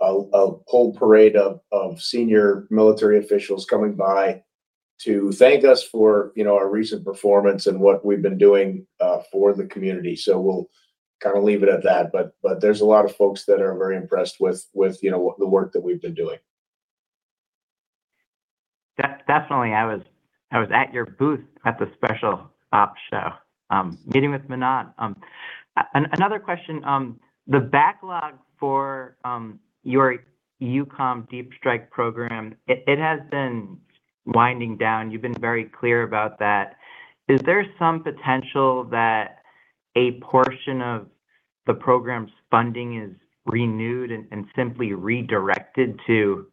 a whole parade of senior military officials coming by to thank us for our recent performance and what we've been doing for the community. We'll kind of leave it at that, but there's a lot of folks that are very impressed with the work that we've been doing. Definitely, I was at your booth at SOF Week, meeting with Manan Patel. Another question, the backlog for your EUCOM Deep Strike program, it has been winding down. You've been very clear about that. Is there some potential that a portion of the program's funding is renewed and simply redirected to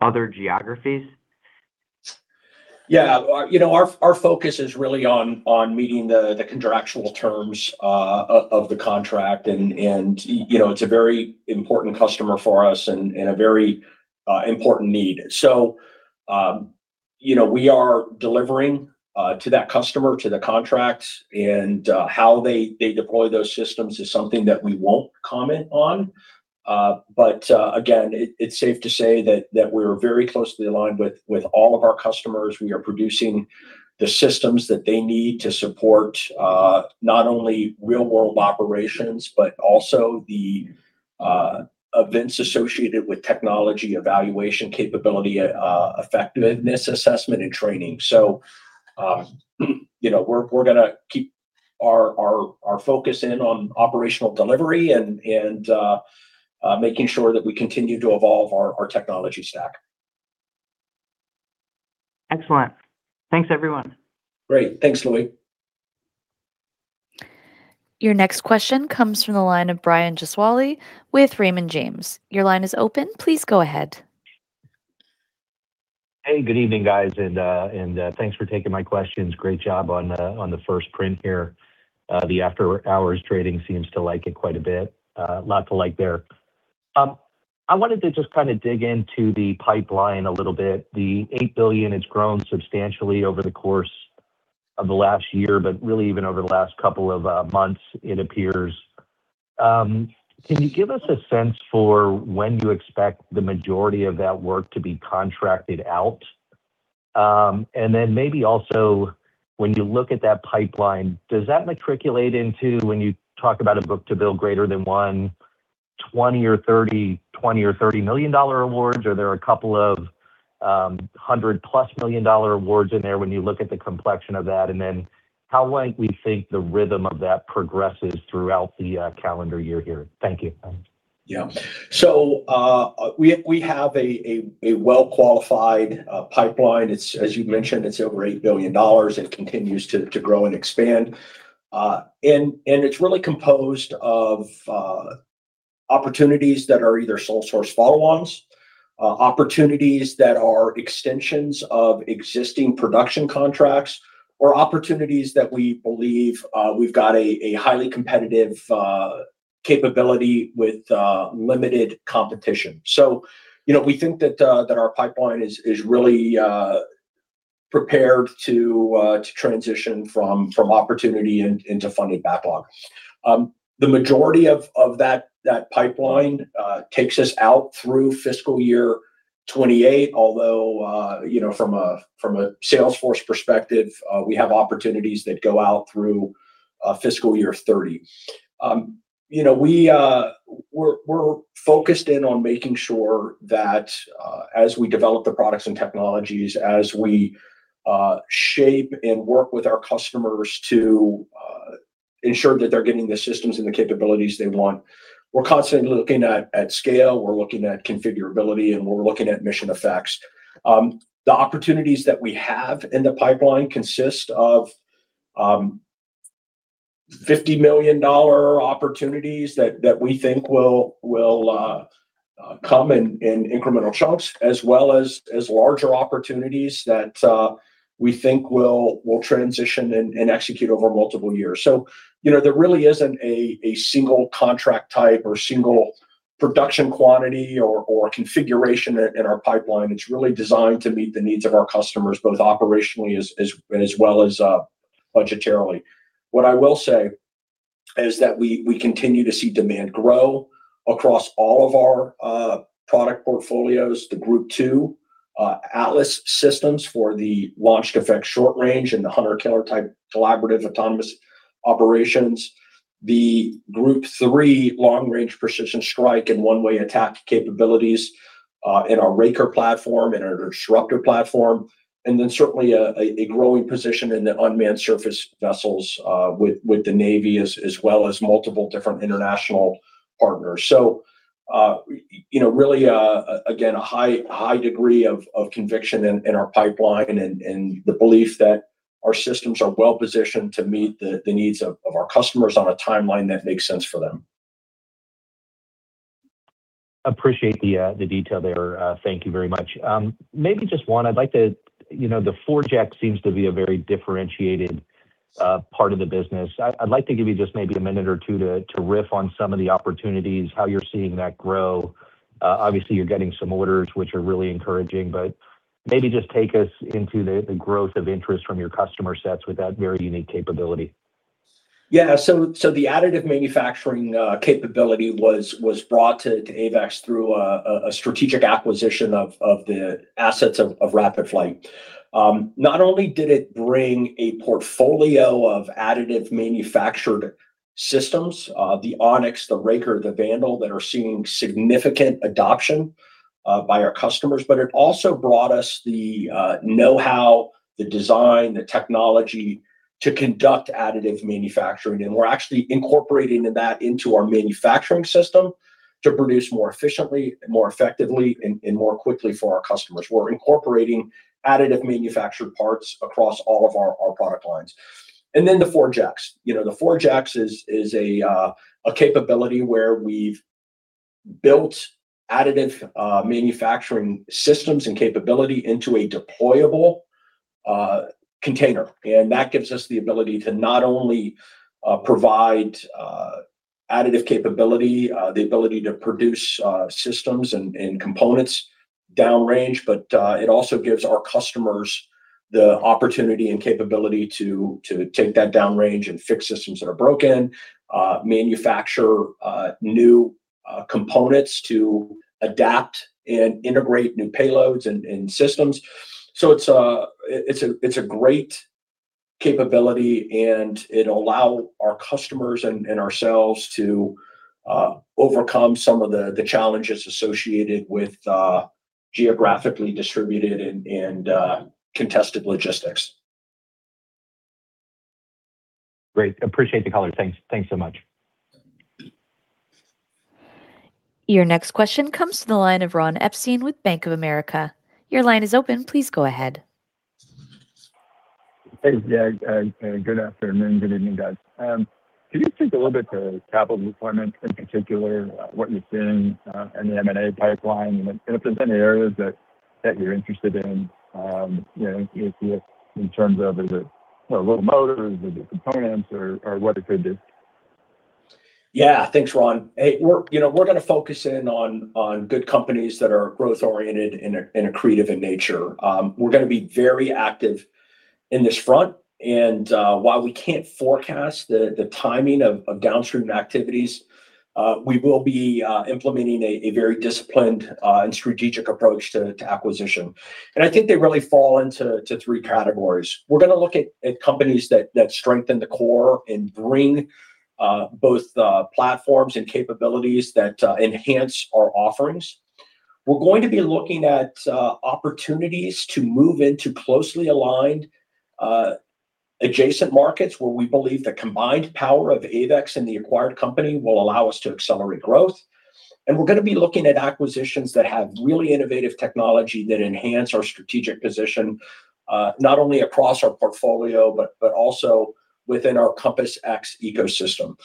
other geographies? Yeah. Our focus is really on meeting the contractual terms of the contract, and it's a very important customer for us and a very important need. We are delivering to that customer, to the contracts, and how they deploy those systems is something that we won't comment on. Again, it's safe to say that we're very closely aligned with all of our customers. We are producing the systems that they need to support not only real-world operations but also the events associated with technology evaluation capability, effectiveness assessment, and training. We're going to keep our focus in on operational delivery and making sure that we continue to evolve our technology stack. Excellent. Thanks, everyone. Great. Thanks, Louie. Your next question comes from the line of Brian Gesuale with Raymond James. Your line is open. Please go ahead. Good evening, guys, thanks for taking my questions. Great job on the first print here. The after-hours trading seems to like it quite a bit. Lot to like there. I wanted to just kind of dig into the pipeline a little bit. The $8 billion has grown substantially over the course of the last year, but really even over the last couple of months, it appears. Can you give us a sense for when you expect the majority of that work to be contracted out? Maybe also when you look at that pipeline, does that matriculate into, when you talk about a book-to-bill greater than one, $20 million or $30 million awards, are there a couple of hundred-plus million dollar awards in there when you look at the complexion of that? How might we think the rhythm of that progresses throughout the calendar year here? Thank you. Yeah. We have a well-qualified pipeline. As you mentioned, it's over $8 billion. It continues to grow and expand. It's really composed of opportunities that are either sole source follow-ons, opportunities that are extensions of existing production contracts, or opportunities that we believe we've got a highly competitive capability with limited competition. We think that our pipeline is really prepared to transition from opportunity into funded backlog. The majority of that pipeline takes us out through fiscal year 2028, although, from a sales force perspective, we have opportunities that go out through fiscal year 2030. We're focused in on making sure that as we develop the products and technologies, as we shape and work with our customers to ensure that they're getting the systems and the capabilities they want, we're constantly looking at scale, we're looking at configurability, and we're looking at mission effects. The opportunities that we have in the pipeline consist of $50 million opportunities that we think will come in incremental chunks as well as larger opportunities that we think will transition and execute over multiple years. There really isn't a single contract type or single production quantity or configuration in our pipeline. It's really designed to meet the needs of our customers, both operationally as well as budgetarily. What I will say is that we continue to see demand grow across all of our product portfolios. The Group 2, Atlas systems for the Launched Effects–Short Range and the hunter killer type collaborative autonomous operations, the Group 3 Long Range Precision Strike and One Way Attack capabilities in our Raker platform and our Disruptor platform, and then certainly a growing position in the unmanned surface vessels with the Navy, as well as multiple different international partner. Really, again, a high degree of conviction in our pipeline and the belief that our systems are well-positioned to meet the needs of our customers on a timeline that makes sense for them. Appreciate the detail there. Thank you very much. Maybe just one, the ForgeX seems to be a very differentiated part of the business. I'd like to give you just maybe a minute or two to riff on some of the opportunities, how you're seeing that grow. Obviously, you're getting some orders, which are really encouraging, but maybe just take us into the growth of interest from your customer sets with that very unique capability. Yeah. The additive manufacturing capability was brought to AEVEX through a strategic acquisition of the assets of RapidFlight. Not only did it bring a portfolio of additive manufactured systems, the Onyx, the Raker, the Vandal, that are seeing significant adoption by our customers, but it also brought us the knowhow, the design, the technology to conduct additive manufacturing. We're actually incorporating that into our manufacturing system to produce more efficiently, more effectively, and more quickly for our customers. We're incorporating additive manufactured parts across all of our product lines. The ForgeX. The ForgeX is a capability where we've built additive manufacturing systems and capability into a deployable container. That gives us the ability to not only provide additive capability, the ability to produce systems and components downrange, but it also gives our customers the opportunity and capability to take that downrange and fix systems that are broken, manufacture new components to adapt and integrate new payloads and systems. It's a great capability, and it'll allow our customers and ourselves to overcome some of the challenges associated with geographically distributed and contested logistics. Great. Appreciate the color. Thanks so much. Your next question comes to the line of Ronald Epstein with Bank of America. Your line is open. Please go ahead. Hey, good afternoon. Good evening, guys. Can you speak a little bit to capital deployment, in particular, what you're seeing in the M&A pipeline, and if there's any areas that you're interested in terms of, is it little motors, or is it components, or what it could be? Yeah. Thanks, Ron. Hey, we're going to focus in on good companies that are growth-oriented and accretive in nature. We're going to be very active in this front. While we can't forecast the timing of downstream activities, we will be implementing a very disciplined and strategic approach to acquisition. I think they really fall into three categories. We're going to look at companies that strengthen the core and bring both platforms and capabilities that enhance our offerings. We're going to be looking at opportunities to move into closely aligned adjacent markets where we believe the combined power of AEVEX and the acquired company will allow us to accelerate growth. We're going to be looking at acquisitions that have really innovative technology that enhance our strategic position, not only across our portfolio, but also within our CompassX ecosystem.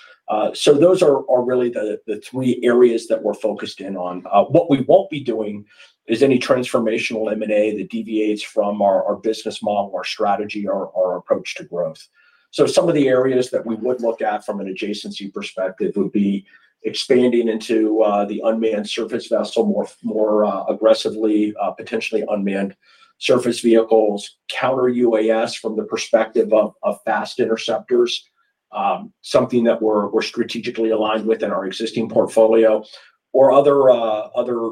Those are really the three areas that we're focused in on. What we won't be doing is any transformational M&A that deviates from our business model, our strategy, or our approach to growth. Some of the areas that we would look at from an adjacency perspective would be expanding into the unmanned surface vessel more aggressively, potentially unmanned surface vehicles, counter-UAS from the perspective of fast interceptors, something that we're strategically aligned with in our existing portfolio, or other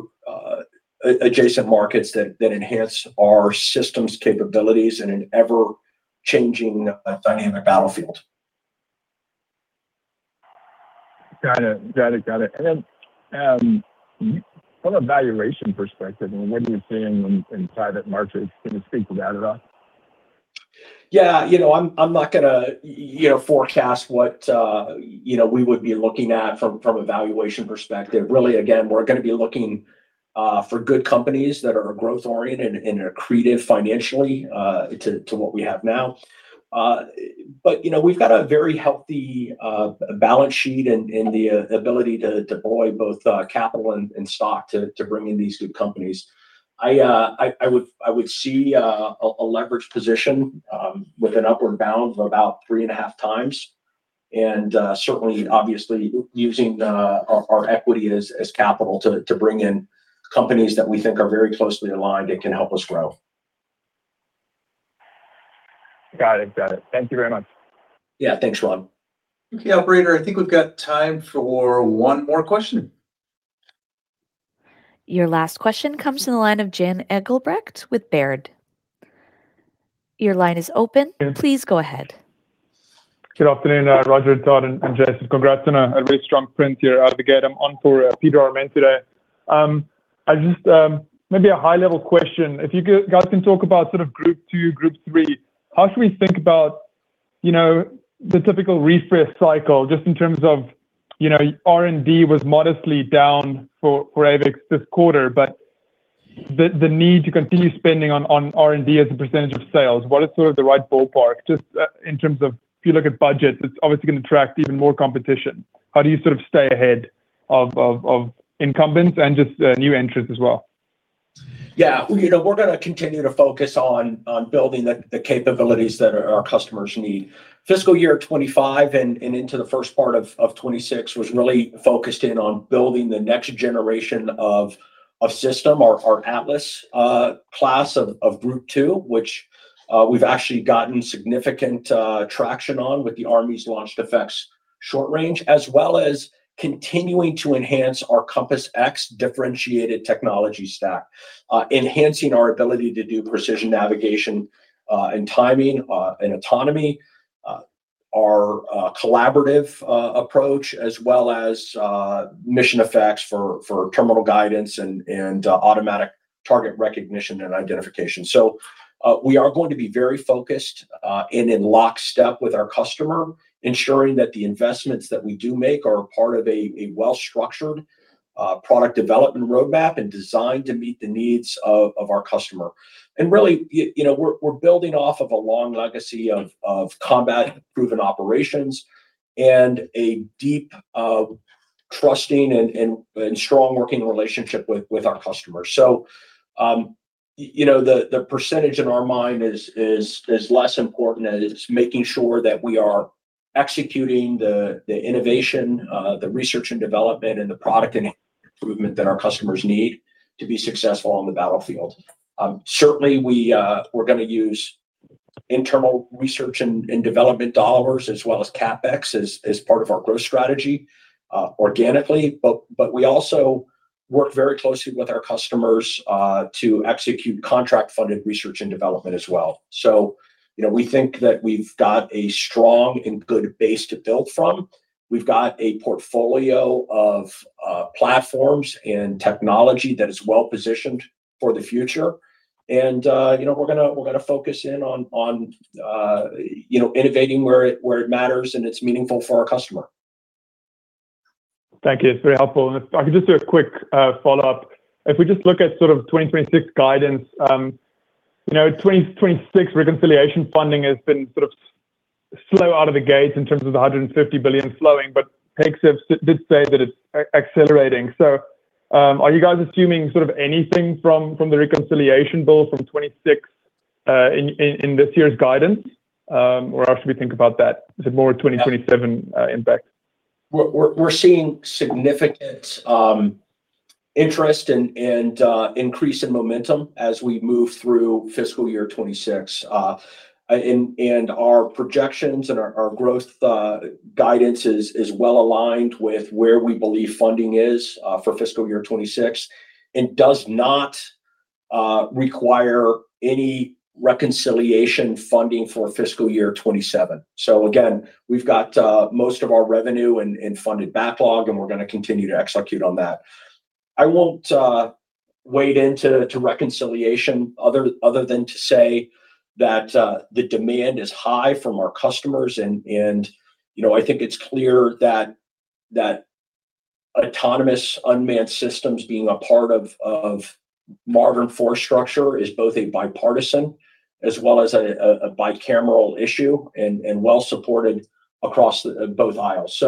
adjacent markets that enhance our systems capabilities in an ever-changing, dynamic battlefield. Got it. Then, from an evaluation perspective, what are you seeing in private markets? Can you speak to that at all? Yeah. I'm not going to forecast what we would be looking at from a valuation perspective. Really, again, we're going to be looking for good companies that are growth-oriented and accretive financially to what we have now. We've got a very healthy balance sheet and the ability to deploy both capital and stock to bring in these good companies. I would see a leveraged position with an upward bound of about three and a half times, and certainly, obviously, using our equity as capital to bring in companies that we think are very closely aligned and can help us grow. Got it. Thank you very much. Yeah. Thanks, Ron. Okay, operator, I think we've got time for one more question. Your last question comes from the line of Jan-Frans Engelbrecht with Baird. Your line is open. Please go ahead. Good afternoon, Roger, Todd, and Jason. Congrats on a really strong print here out of the gate. I'm on for Peter Arment today. Just maybe a high-level question. If you guys can talk about Group 2, Group 3, how should we think about the typical refresh cycle? Just in terms of R&D, was modestly down for AEVEX this quarter, but the need to continue spending on R&D as a percentage of sales, what is sort of the right ballpark? Just in terms of if you look at budget, it's obviously going to attract even more competition. How do you sort of stay ahead of incumbents and just new entrants as well? We're going to continue to focus on building the capabilities that our customers need. FY 2025 and into the first part of 2026 was really focused in on building the next generation of system, our Atlas class of Group 2, which we've actually gotten significant traction on with the Army's Launched Effects–Short Range, as well as continuing to enhance our CompassX differentiated technology stack, enhancing our ability to do precision navigation, and timing, and autonomy. Our collaborative approach, as well as mission effects for terminal guidance and automatic target recognition and identification. We are going to be very focused and in lockstep with our customer, ensuring that the investments that we do make are a part of a well-structured product development roadmap, and designed to meet the needs of our customer. Really, we're building off of a long legacy of combat-proven operations and a deep, trusting, and strong working relationship with our customers. The percentage in our mind is less important as it is making sure that we are executing the innovation, the research and development, and the product improvement that our customers need to be successful on the battlefield. Certainly, we're going to use internal research and development dollars as well as CapEx as part of our growth strategy organically. We also work very closely with our customers to execute contract-funded research and development as well. We think that we've got a strong and good base to build from. We've got a portfolio of platforms and technology that is well-positioned for the future. We're going to focus in on innovating where it matters and it's meaningful for our customer. Thank you. It's very helpful. If I could just do a quick follow-up. If we just look at sort of 2026 guidance, 2026 reconciliation funding has been sort of slow out of the gate in terms of the $150 billion flowing, but did say that it's accelerating. Are you guys assuming sort of anything from the reconciliation bill from 2026 in this year's guidance? How should we think about that? Is it more a 2027 impact? We're seeing significant interest and increase in momentum as we move through fiscal year 2026. Our projections and our growth guidance is well-aligned with where we believe funding is for fiscal year 2026, and does not require any reconciliation funding for fiscal year 2027. Again, we've got most of our revenue in funded backlog, and we're going to continue to execute on that. I won't wade into reconciliation other than to say that the demand is high from our customers, and I think it's clear that autonomous unmanned systems being a part of modern force structure is both a bipartisan as well as a bicameral issue, and well-supported across both aisles.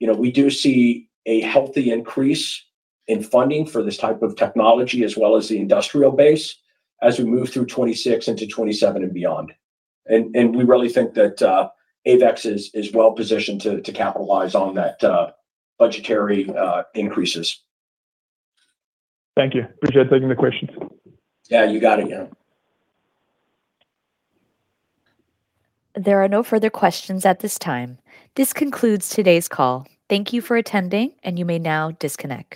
We do see a healthy increase in funding for this type of technology, as well as the industrial base as we move through 2026 into 2027 and beyond. We really think that AEVEX is well-positioned to capitalize on that budgetary increases. Thank you. Appreciate taking the questions. Yeah, you got it. Yeah. There are no further questions at this time. This concludes today's call. Thank you for attending, and you may now disconnect.